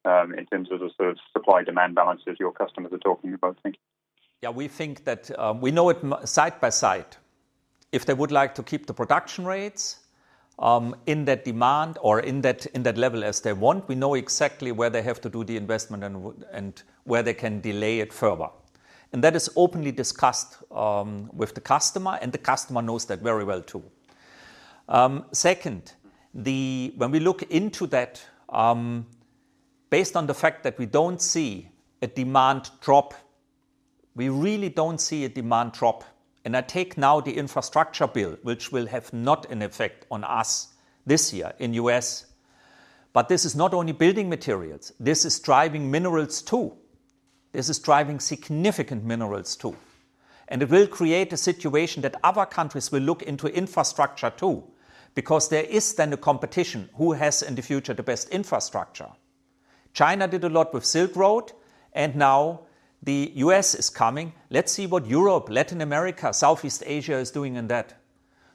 in terms of the sort of supply-demand balances your customers are talking about thinking? Yeah, we know it side by side. If they would like to keep the production rates in that demand or in that level as they want, we know exactly where they have to do the investment and where they can delay it further. That is openly discussed with the customer, and the customer knows that very well, too. Second, when we look into that, based on the fact that we don't see a demand drop, we really don't see a demand drop. I take now the infrastructure bill, which will have not an effect on us this year in U.S., but this is not only building materials, this is driving minerals, too. This is driving significant minerals, too. It will create a situation that other countries will look into infrastructure, too, because there is then a competition who has in the future the best infrastructure. China did a lot with Silk Road. Now the U.S. is coming. Let's see what Europe, Latin America, Southeast Asia is doing in that.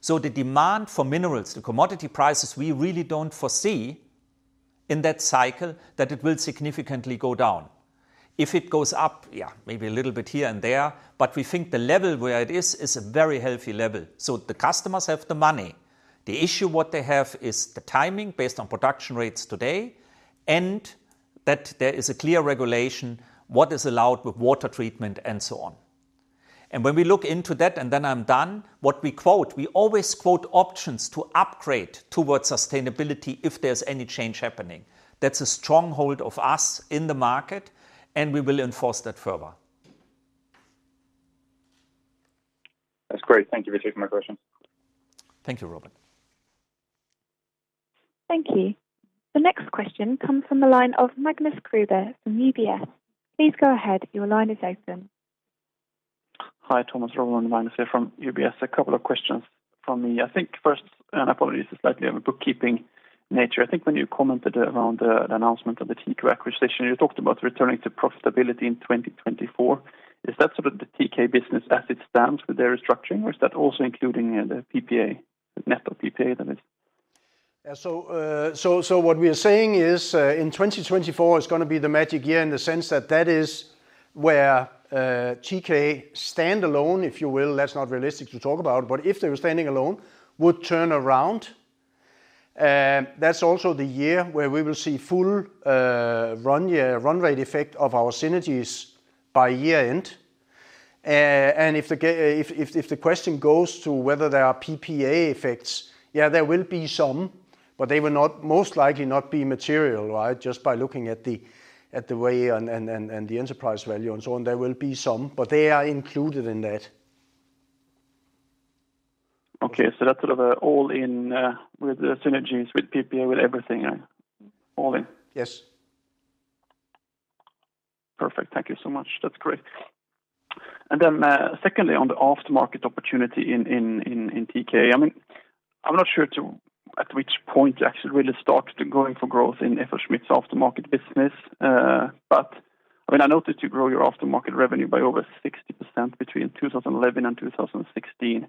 The demand for minerals, the commodity prices, we really don't foresee in that cycle that it will significantly go down. If it goes up, yeah, maybe a little bit here and there, but we think the level where it is is a very healthy level. The customers have the money. The issue, what they have is the timing based on production rates today, and that there is a clear regulation, what is allowed with water treatment and so on. When we look into that and then I'm done, what we quote, we always quote options to upgrade towards sustainability if there's any change happening. That's a stronghold of us in the market, and we will enforce that further. That's great. Thank you for taking my question. Thank you, Robert. Thank you. The next question comes from the line of Magnus Kruber from UBS. Hi, Thomas, Roland, Magnus here from UBS. A couple of questions from me. First, and apologies, it's slightly of a bookkeeping nature. I think when you commented around the announcement of the TK acquisition, you talked about returning to profitability in 2024. Is that sort of the TK business as it stands with their restructuring, or is that also including the PPA, net of PPA, that is? What we are saying is, in 2024 is going to be the magic year in the sense that that is where TK standalone, if you will, that's not realistic to talk about, but if they were standing alone, would turn around. That's also the year where we will see full run rate effect of our synergies by year-end. If the question goes to whether there are PPA effects, yeah, there will be some, but they will most likely not be material, right? Just by looking at the way and the enterprise value and so on. There will be some, but they are included in that. Okay, that's sort of all in with the synergies, with PPA, with everything? All in? Yes. Perfect. Thank you so much. That's great. Secondly, on the aftermarket opportunity in TK. I'm not sure at which point you actually really started going for growth in FLSmidth's aftermarket business. I noticed you grow your aftermarket revenue by over 60% between 2011 and 2016.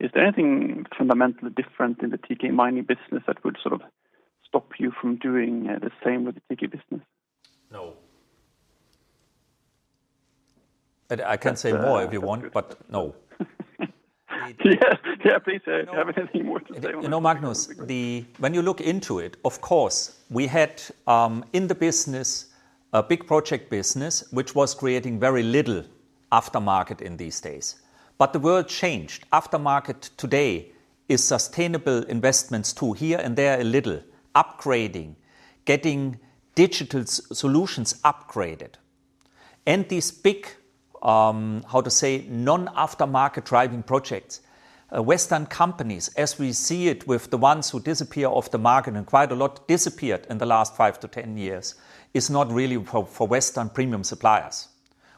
Is there anything fundamentally different in the TK Mining business that would sort of stop you from doing the same with the TK business? No. I can say more if you want, but no. Yeah. Please, if you have anything more to say on that'd be great. You know, Magnus, when you look into it, of course, we had in the business a big project business, which was creating very little aftermarket in these days. The world changed. aftermarket today is sustainable investments, too, here and there a little. Upgrading, getting digital solutions upgraded. These big, how to say, non-aftermarket driving projects. Western companies, as we see it with the ones who disappear off the market, and quite a lot disappeared in the last five to 10 years, is not really for Western premium suppliers.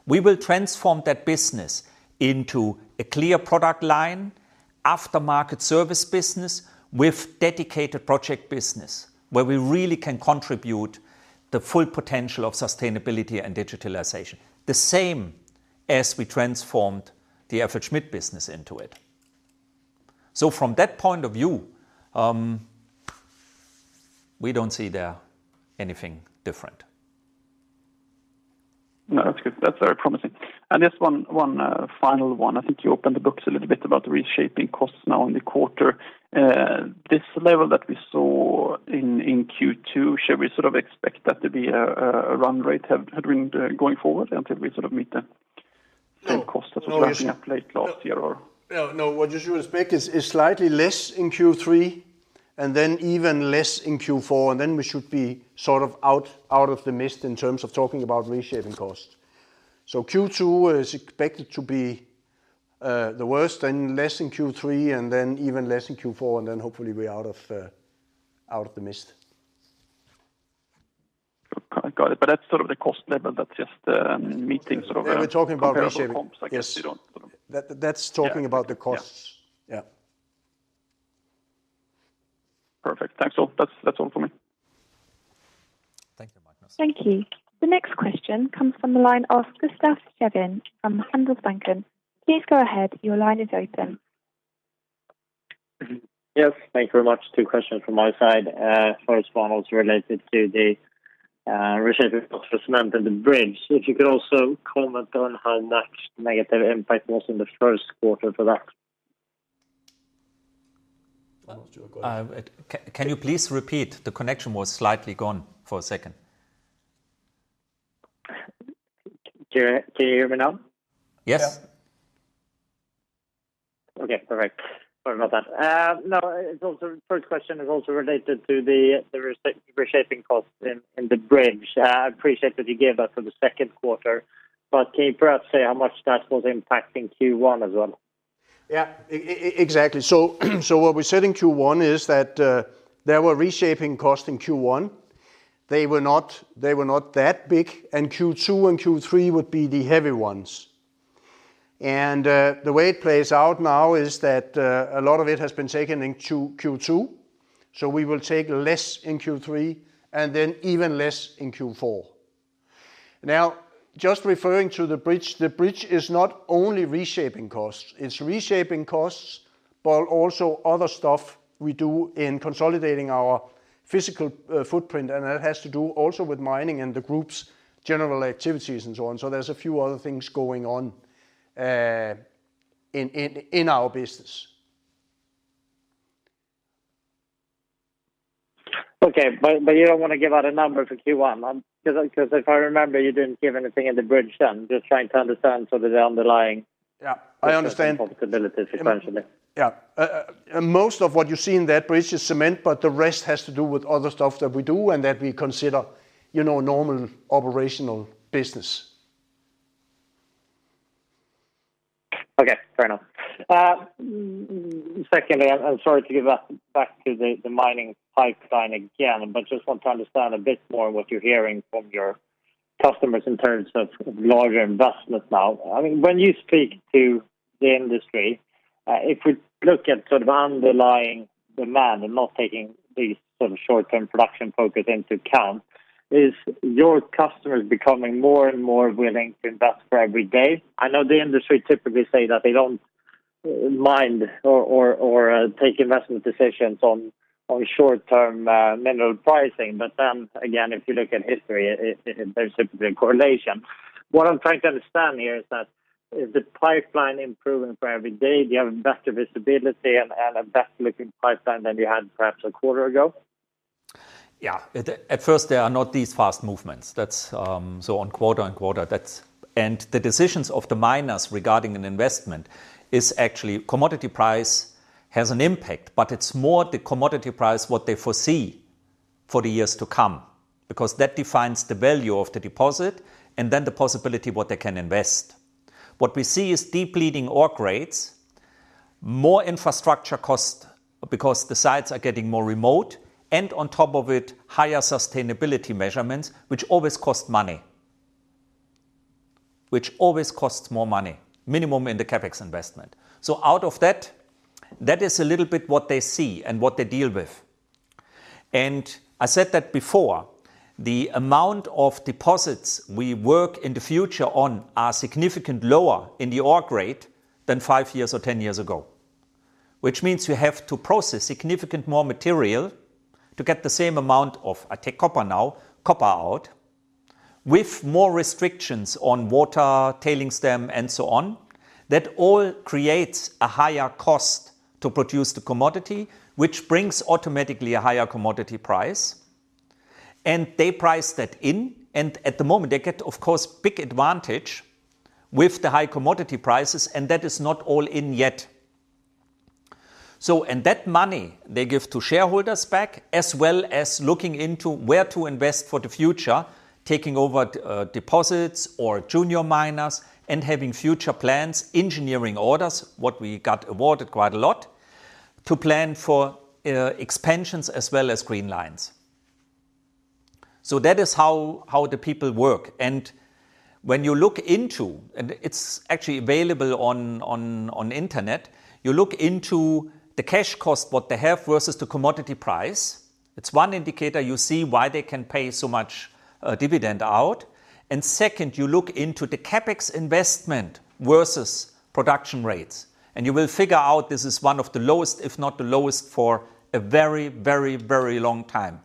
We will transform that business into a clear product line aftermarket service business with dedicated project business where we really can contribute the full potential of sustainability and digitalization, the same as we transformed the FLSmidth business into it. From that point of view, we don't see there anything different. No, that's good. That's very promising. Just 1 final one. I think you opened the books a little bit about reshaping costs now in the quarter. This level that we saw in Q2, should we expect that to be a run rate going forward until we meet the same cost that was rising up late last year or? No, what you should expect is slightly less in Q3 and then even less in Q4, and then we should be out of the mist in terms of talking about reshaping costs. Q2 is expected to be the worst, and less in Q3, and then even less in Q4, and then hopefully we're out of the mist. Got it. That's sort of the cost level that's just meeting sort of- We're talking about reshaping. comparable comps. That's talking about the costs. Yeah. Yeah. Perfect. Thanks. That's all for me. Thank you, Magnus. Thank you. The next question comes from the line of Gustaf Schwerin from Handelsbanken. Please go ahead, your line is open. Yes, thank you very much. Two questions from my side. First one was related to the reshaping cost for cement and the bridge. If you could also comment on how much negative impact was in the first quarter for that. Can you please repeat? The connection was slightly gone for a second. Can you hear me now? Yes. Yeah. Okay, perfect. Sorry about that. First question is also related to the reshaping costs in the bridge. I appreciate that you gave that for the second quarter, but can you perhaps say how much that was impacting Q1 as well? Yeah, exactly. What we said in Q1 is that there were reshaping costs in Q1. They were not that big, and Q2 and Q3 would be the heavy ones. The way it plays out now is that a lot of it has been taken in Q2, so we will take less in Q3 and then even less in Q4. Now, just referring to the bridge, the bridge is not only reshaping costs. It's reshaping costs, but also other stuff we do in consolidating our physical footprint, and that has to do also with mining and the group's general activities and so on. There's a few other things going on in our business. Okay, you don't want to give out a number for Q1, because if I remember, you didn't give anything in the bridge then. Yeah, I understand. profitability potentially. Yeah. Most of what you see in that bridge is cement, but the rest has to do with other stuff that we do and that we consider normal operational business. Okay, fair enough. Secondly, I'm sorry to give back to the mining pipeline again, but just want to understand a bit more what you're hearing from your customers in terms of larger investments now. When you speak to the industry, if we look at sort of underlying demand and not taking these sort of short-term production focus into account, is your customers becoming more and more willing to invest for every day? I know the industry typically say that they don't mind or take investment decisions on short-term mineral pricing. If you look at history, there's typically a correlation. What I'm trying to understand here is that, is the pipeline improving for every day? Do you have better visibility and a better-looking pipeline than you had perhaps a quarter ago? Yeah. At first, there are not these fast movements on quarter-on-quarter. The decisions of the miners regarding an investment is actually commodity price has an impact, but it's more the commodity price, what they foresee for the years to come. That defines the value of the deposit and then the possibility what they can invest. What we see is depleting ore grades, more infrastructure cost because the sites are getting more remote, and on top of it, higher sustainability measurements, which always cost money. Which always costs more money, minimum in the CapEx investment. Out of that is a little bit what they see and what they deal with. I said that before, the amount of deposits we work in the future on are significant lower in the ore grade than 5 years or 10 years ago, which means you have to process significant more material to get the same amount of, I take copper now, copper out, with more restrictions on water, tailings dam and so on. That all creates a higher cost to produce the commodity, which brings automatically a higher commodity price. They price that in, and at the moment, they get, of course, big advantage with the high commodity prices, and that is not all in yet. That money they give to shareholders back, as well as looking into where to invest for the future, taking over deposits or junior miners and having future plans, engineering orders, what we got awarded quite a lot, to plan for expansions as well as green lines. That is how the people work. When you look into, and it's actually available on Internet, you look into the cash cost, what they have versus the commodity price. It's one indicator. You see why they can pay so much dividend out. Second, you look into the CapEx investment versus production rates, and you will figure out this is one of the lowest, if not the lowest, for a very long time.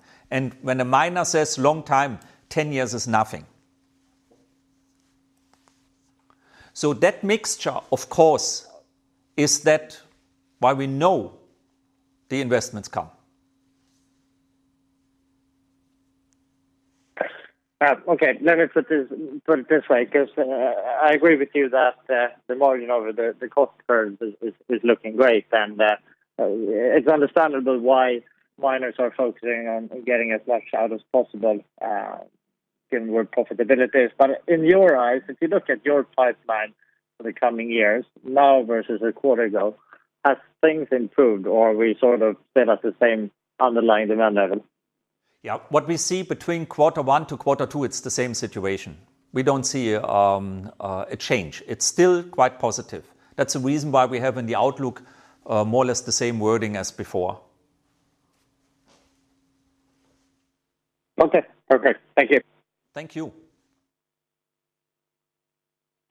When a miner says long time, 10 years is nothing. That mixture, of course, is that why we know the investments come. Okay. Let me put it this way, because I agree with you that the margin over the cost curve is looking great, and it's understandable why miners are focusing on getting as much out as possible, given where profitability is. In your eyes, if you look at your pipeline for the coming years now versus a quarter ago, have things improved or are we sort of still at the same underlying demand level? Yeah. What we see between quarter one to quarter two, it's the same situation. We don't see a change. It's still quite positive. That's the reason why we have in the outlook more or less the same wording as before. Okay. Thank you. Thank you.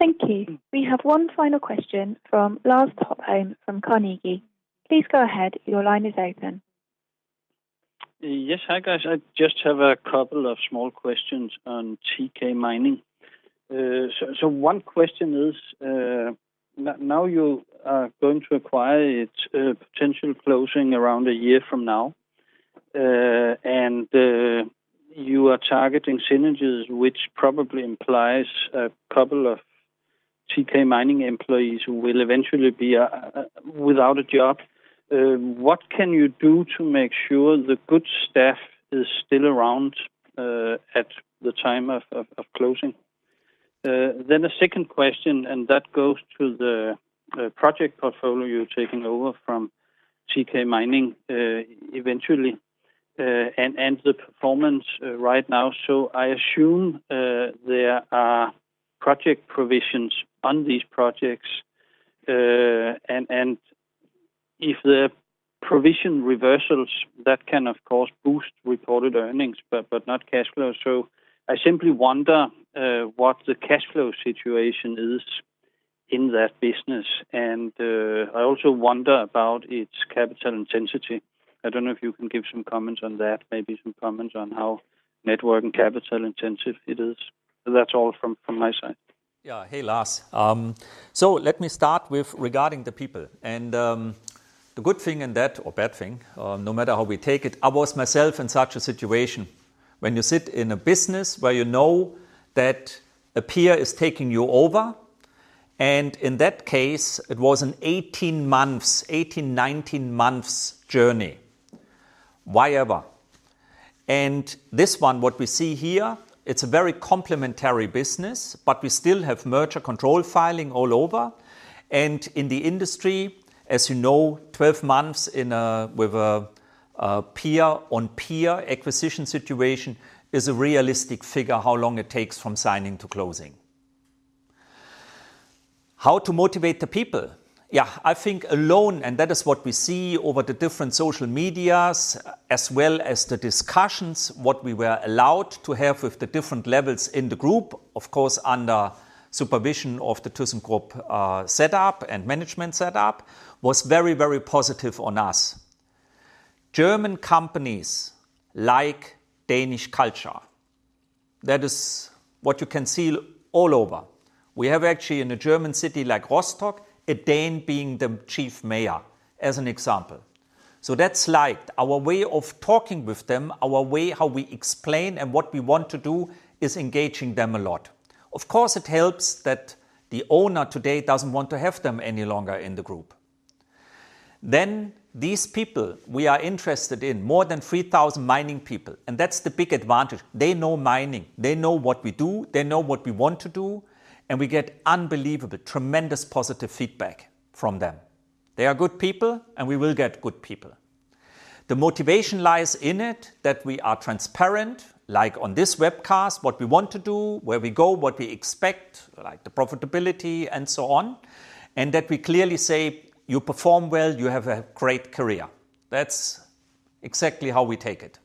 Thank you. We have one final question from Lars Topholm from Carnegie. Please go ahead. Your line is open. Yes. Hi, guys. I just have a couple of small questions on TK Mining. One question is, now you are going to acquire its potential closing around 1 year from now, and you are targeting synergies, which probably implies a couple of TK Mining employees who will eventually be without a job. What can you do to make sure the good staff is still around at the time of closing? The 2nd question, and that goes to the project portfolio you're taking over from TK Mining eventually, and the performance right now. I assume there are project provisions on these projects, and if the provision reversals, that can, of course, boost reported earnings, but not cash flow. I simply wonder what the cash flow situation is in that business, and I also wonder about its capital intensity. I don't know if you can give some comments on that, maybe some comments on how net working and capital-intensive it is. That's all from my side. Yeah. Hey, Lars. Let me start with regarding the people, and the good thing in that, or bad thing, no matter how we take it, I was myself in such a situation. When you sit in a business where you know that a peer is taking you over, and in that case, it was an 18 months, 18, 19 months journey, wherever. This one, what we see here, it's a very complementary business, but we still have merger control filing all over. In the industry, as you know, 12 months with a peer-on-peer acquisition situation is a realistic figure how long it takes from signing to closing. How to motivate the people? Yeah, I think alone, and that is what we see over the different social medias as well as the discussions, what we were allowed to have with the different levels in the group, of course, under supervision of the thyssenkrupp setup and management setup, was very positive on us. German companies like Danish culture. That is what you can see all over. We have actually in a German city like Rostock, a Dane being the chief mayor, as an example. That's liked. Our way of talking with them, our way how we explain and what we want to do is engaging them a lot. Of course, it helps that the owner today doesn't want to have them any longer in the group. These people, we are interested in more than 3,000 mining people, and that's the big advantage. They know mining. They know what we do. They know what we want to do. We get unbelievable, tremendous positive feedback from them. They are good people, and we will get good people. The motivation lies in it that we are transparent, like on this webcast, what we want to do, where we go, what we expect, like the profitability and so on, and that we clearly say, "You perform well, you have a great career." That's exactly how we take it.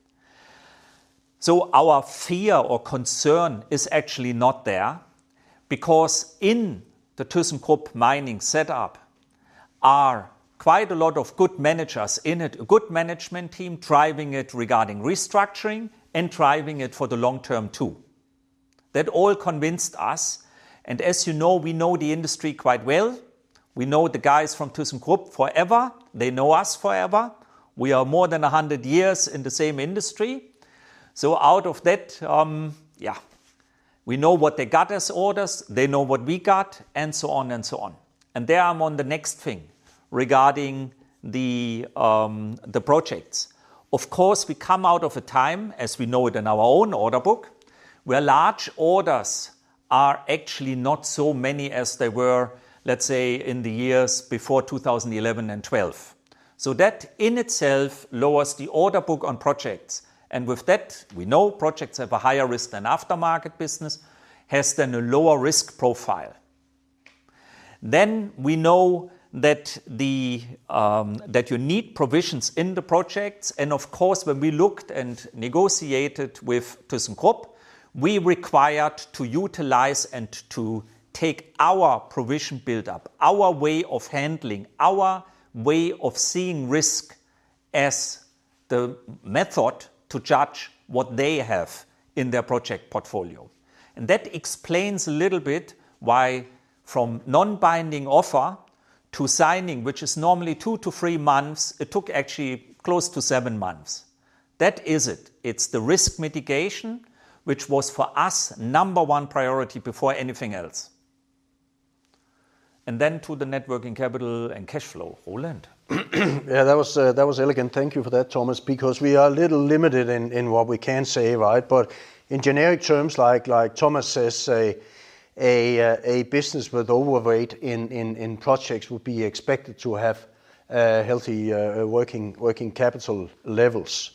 Our fear or concern is actually not there because in the thyssenkrupp Mining setup are quite a lot of good managers in it, a good management team driving it regarding restructuring and driving it for the long term, too. That all convinced us, and as you know, we know the industry quite well. We know the guys from thyssenkrupp forever. They know us forever. We are more than 100 years in the same industry. Out of that, we know what they got as orders. They know what we got, and so on and so on. There I'm on the next thing regarding the projects. Of course, we come out of a time, as we know it in our own order book, where large orders are actually not so many as they were, let's say, in the years before 2011 and 2012. That in itself lowers the order book on projects. With that, we know projects have a higher risk than aftermarket business, has then a lower risk profile. We know that you need provisions in the projects, of course, when we looked and negotiated with thyssenkrupp, we required to utilize and to take our provision build-up, our way of handling, our way of seeing risk as the method to judge what they have in their project portfolio. That explains a little bit why from non-binding offer to signing, which is normally two to three months, it took actually close to seven months. That is it. It's the risk mitigation, which was for us number one priority before anything else. Then to the net working capital and cash flow, Roland. That was elegant. Thank you for that, Thomas. We are a little limited in what we can say, right? In generic terms, like Thomas says, a business with overweight in projects would be expected to have healthy working capital levels.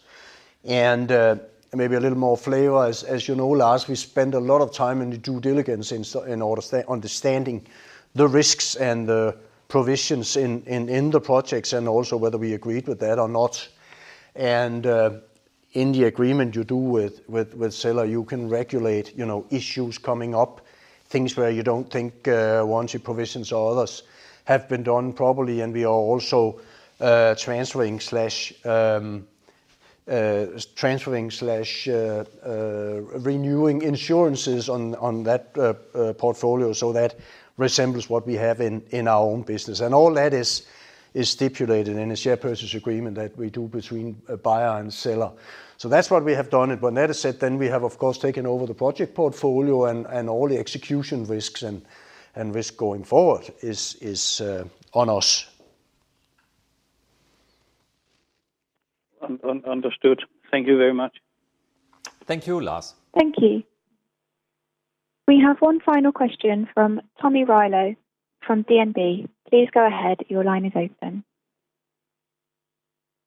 Maybe a little more flavor, as you know, Lars, we spend a lot of time in the due diligence in order understanding the risks and the provisions in the projects and also whether we agreed with that or not. In the agreement you do with seller, you can regulate issues coming up, things where you don't think warranty provisions or others have been done properly. We are also transferring/renewing insurances on that portfolio, so that resembles what we have in our own business. All that is stipulated in a share purchase agreement that we do between buyer and seller. That's what we have done. When that is said, then we have, of course, taken over the project portfolio and all the execution risks and risk going forward is on us. Understood. Thank you very much. Thank you, Lars. Thank you. We have one final question from Tomi Railo from DNB. Please go ahead, your line is open.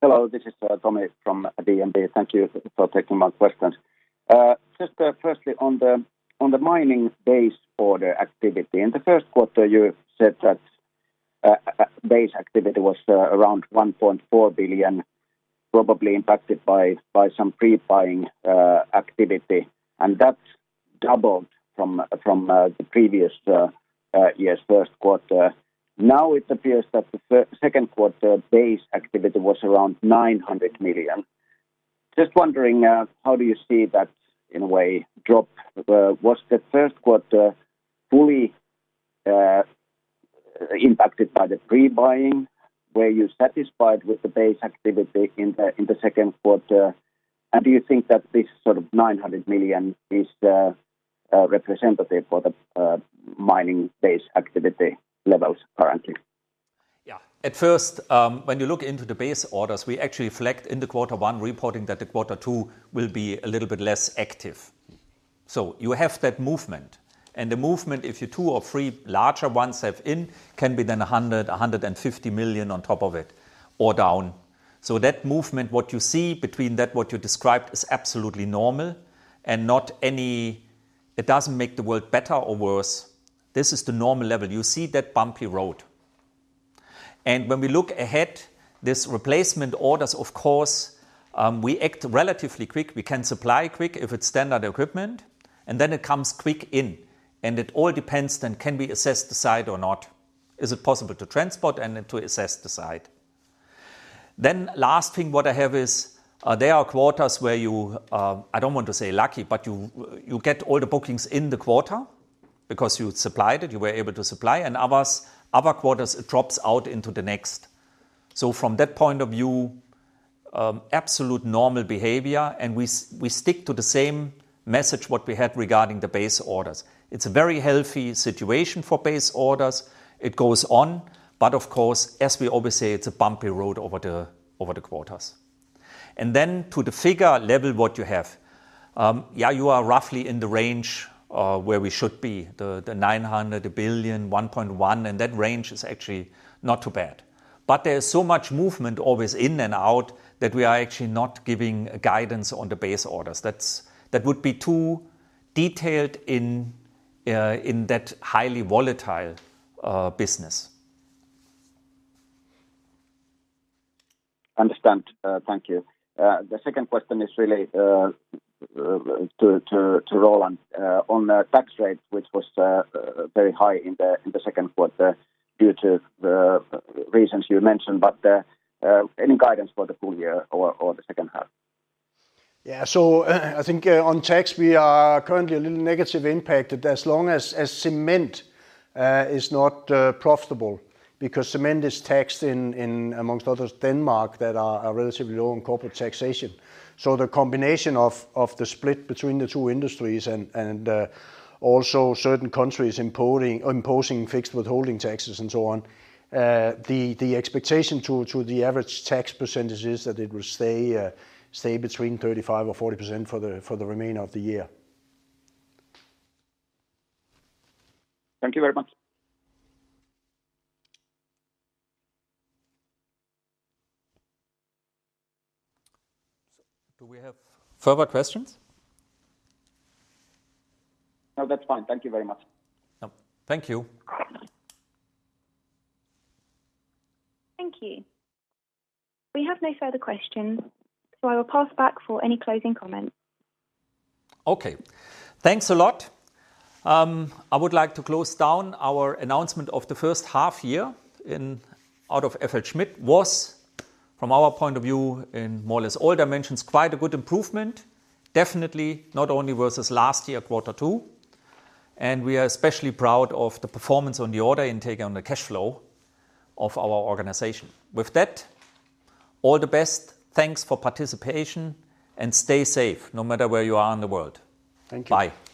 Hello, this is Tomi from DNB. Thank you for taking my questions. Firstly on the mining base order activity. In the first quarter, you said that base activity was around 1.4 billion, probably impacted by some pre-buying activity, and that's doubled from the previous year's first quarter. It appears that the second quarter base activity was around 900 million. Wondering, how do you see that, in a way, drop? Was the first quarter fully impacted by the pre-buying? Were you satisfied with the base activity in the second quarter? Do you think that this sort of 900 million is representative for the mining base activity levels currently? Yeah. At first, when you look into the base orders, we actually reflect in the quarter one, reporting that the quarter two will be a little bit less active. You have that movement. The movement, if you two or three larger ones have in, can be then 100 million-150 million on top of it or down. That movement, what you see between that what you described is absolutely normal. It doesn't make the world better or worse. This is the normal level. You see that bumpy road. When we look ahead, this replacement orders, of course, we act relatively quick. We can supply quick if it's standard equipment, and then it comes quick in. It all depends then can we assess the site or not. Is it possible to transport and then to assess the site? Last thing what I have is, there are quarters where you, I don't want to say lucky, but you get all the bookings in the quarter because you supplied it, you were able to supply, and others, other quarters, it drops out into the next. From that point of view, absolute normal behavior, and we stick to the same message what we had regarding the base orders. It's a very healthy situation for base orders. It goes on, of course, as we always say, it's a bumpy road over the quarters. To the figure level what you have. Yeah, you are roughly in the range where we should be. The 900, 1 billion, 1.1, and that range is actually not too bad. There's so much movement always in and out that we are actually not giving guidance on the base orders. That would be too detailed in that highly volatile business. Understand. Thank you. The second question is really to Roland on the tax rate, which was very high in the second quarter due to the reasons you mentioned, but any guidance for the full year or the second half? Yeah. I think on tax, we are currently a little negative impacted as long as cement is not profitable because cement is taxed in, amongst others, Denmark, that are relatively low on corporate taxation. The combination of the split between the two industries and also certain countries imposing fixed withholding taxes and so on, the expectation to the average tax percentages, that it will stay between 35% or 40% for the remainder of the year. Thank you very much. Do we have further questions? No, that's fine. Thank you very much. Thank you. Thank you. We have no further questions, so I will pass back for any closing comments. Okay. Thanks a lot. I would like to close down our announcement of the first half year. Out of FLSmidth was, from our point of view, in more or less all dimensions, quite a good improvement. Definitely, not only versus last year, quarter two, and we are especially proud of the performance on the order intake and the cash flow of our organization. With that, all the best. Thanks for participation, and stay safe no matter where you are in the world. Thank you. Bye.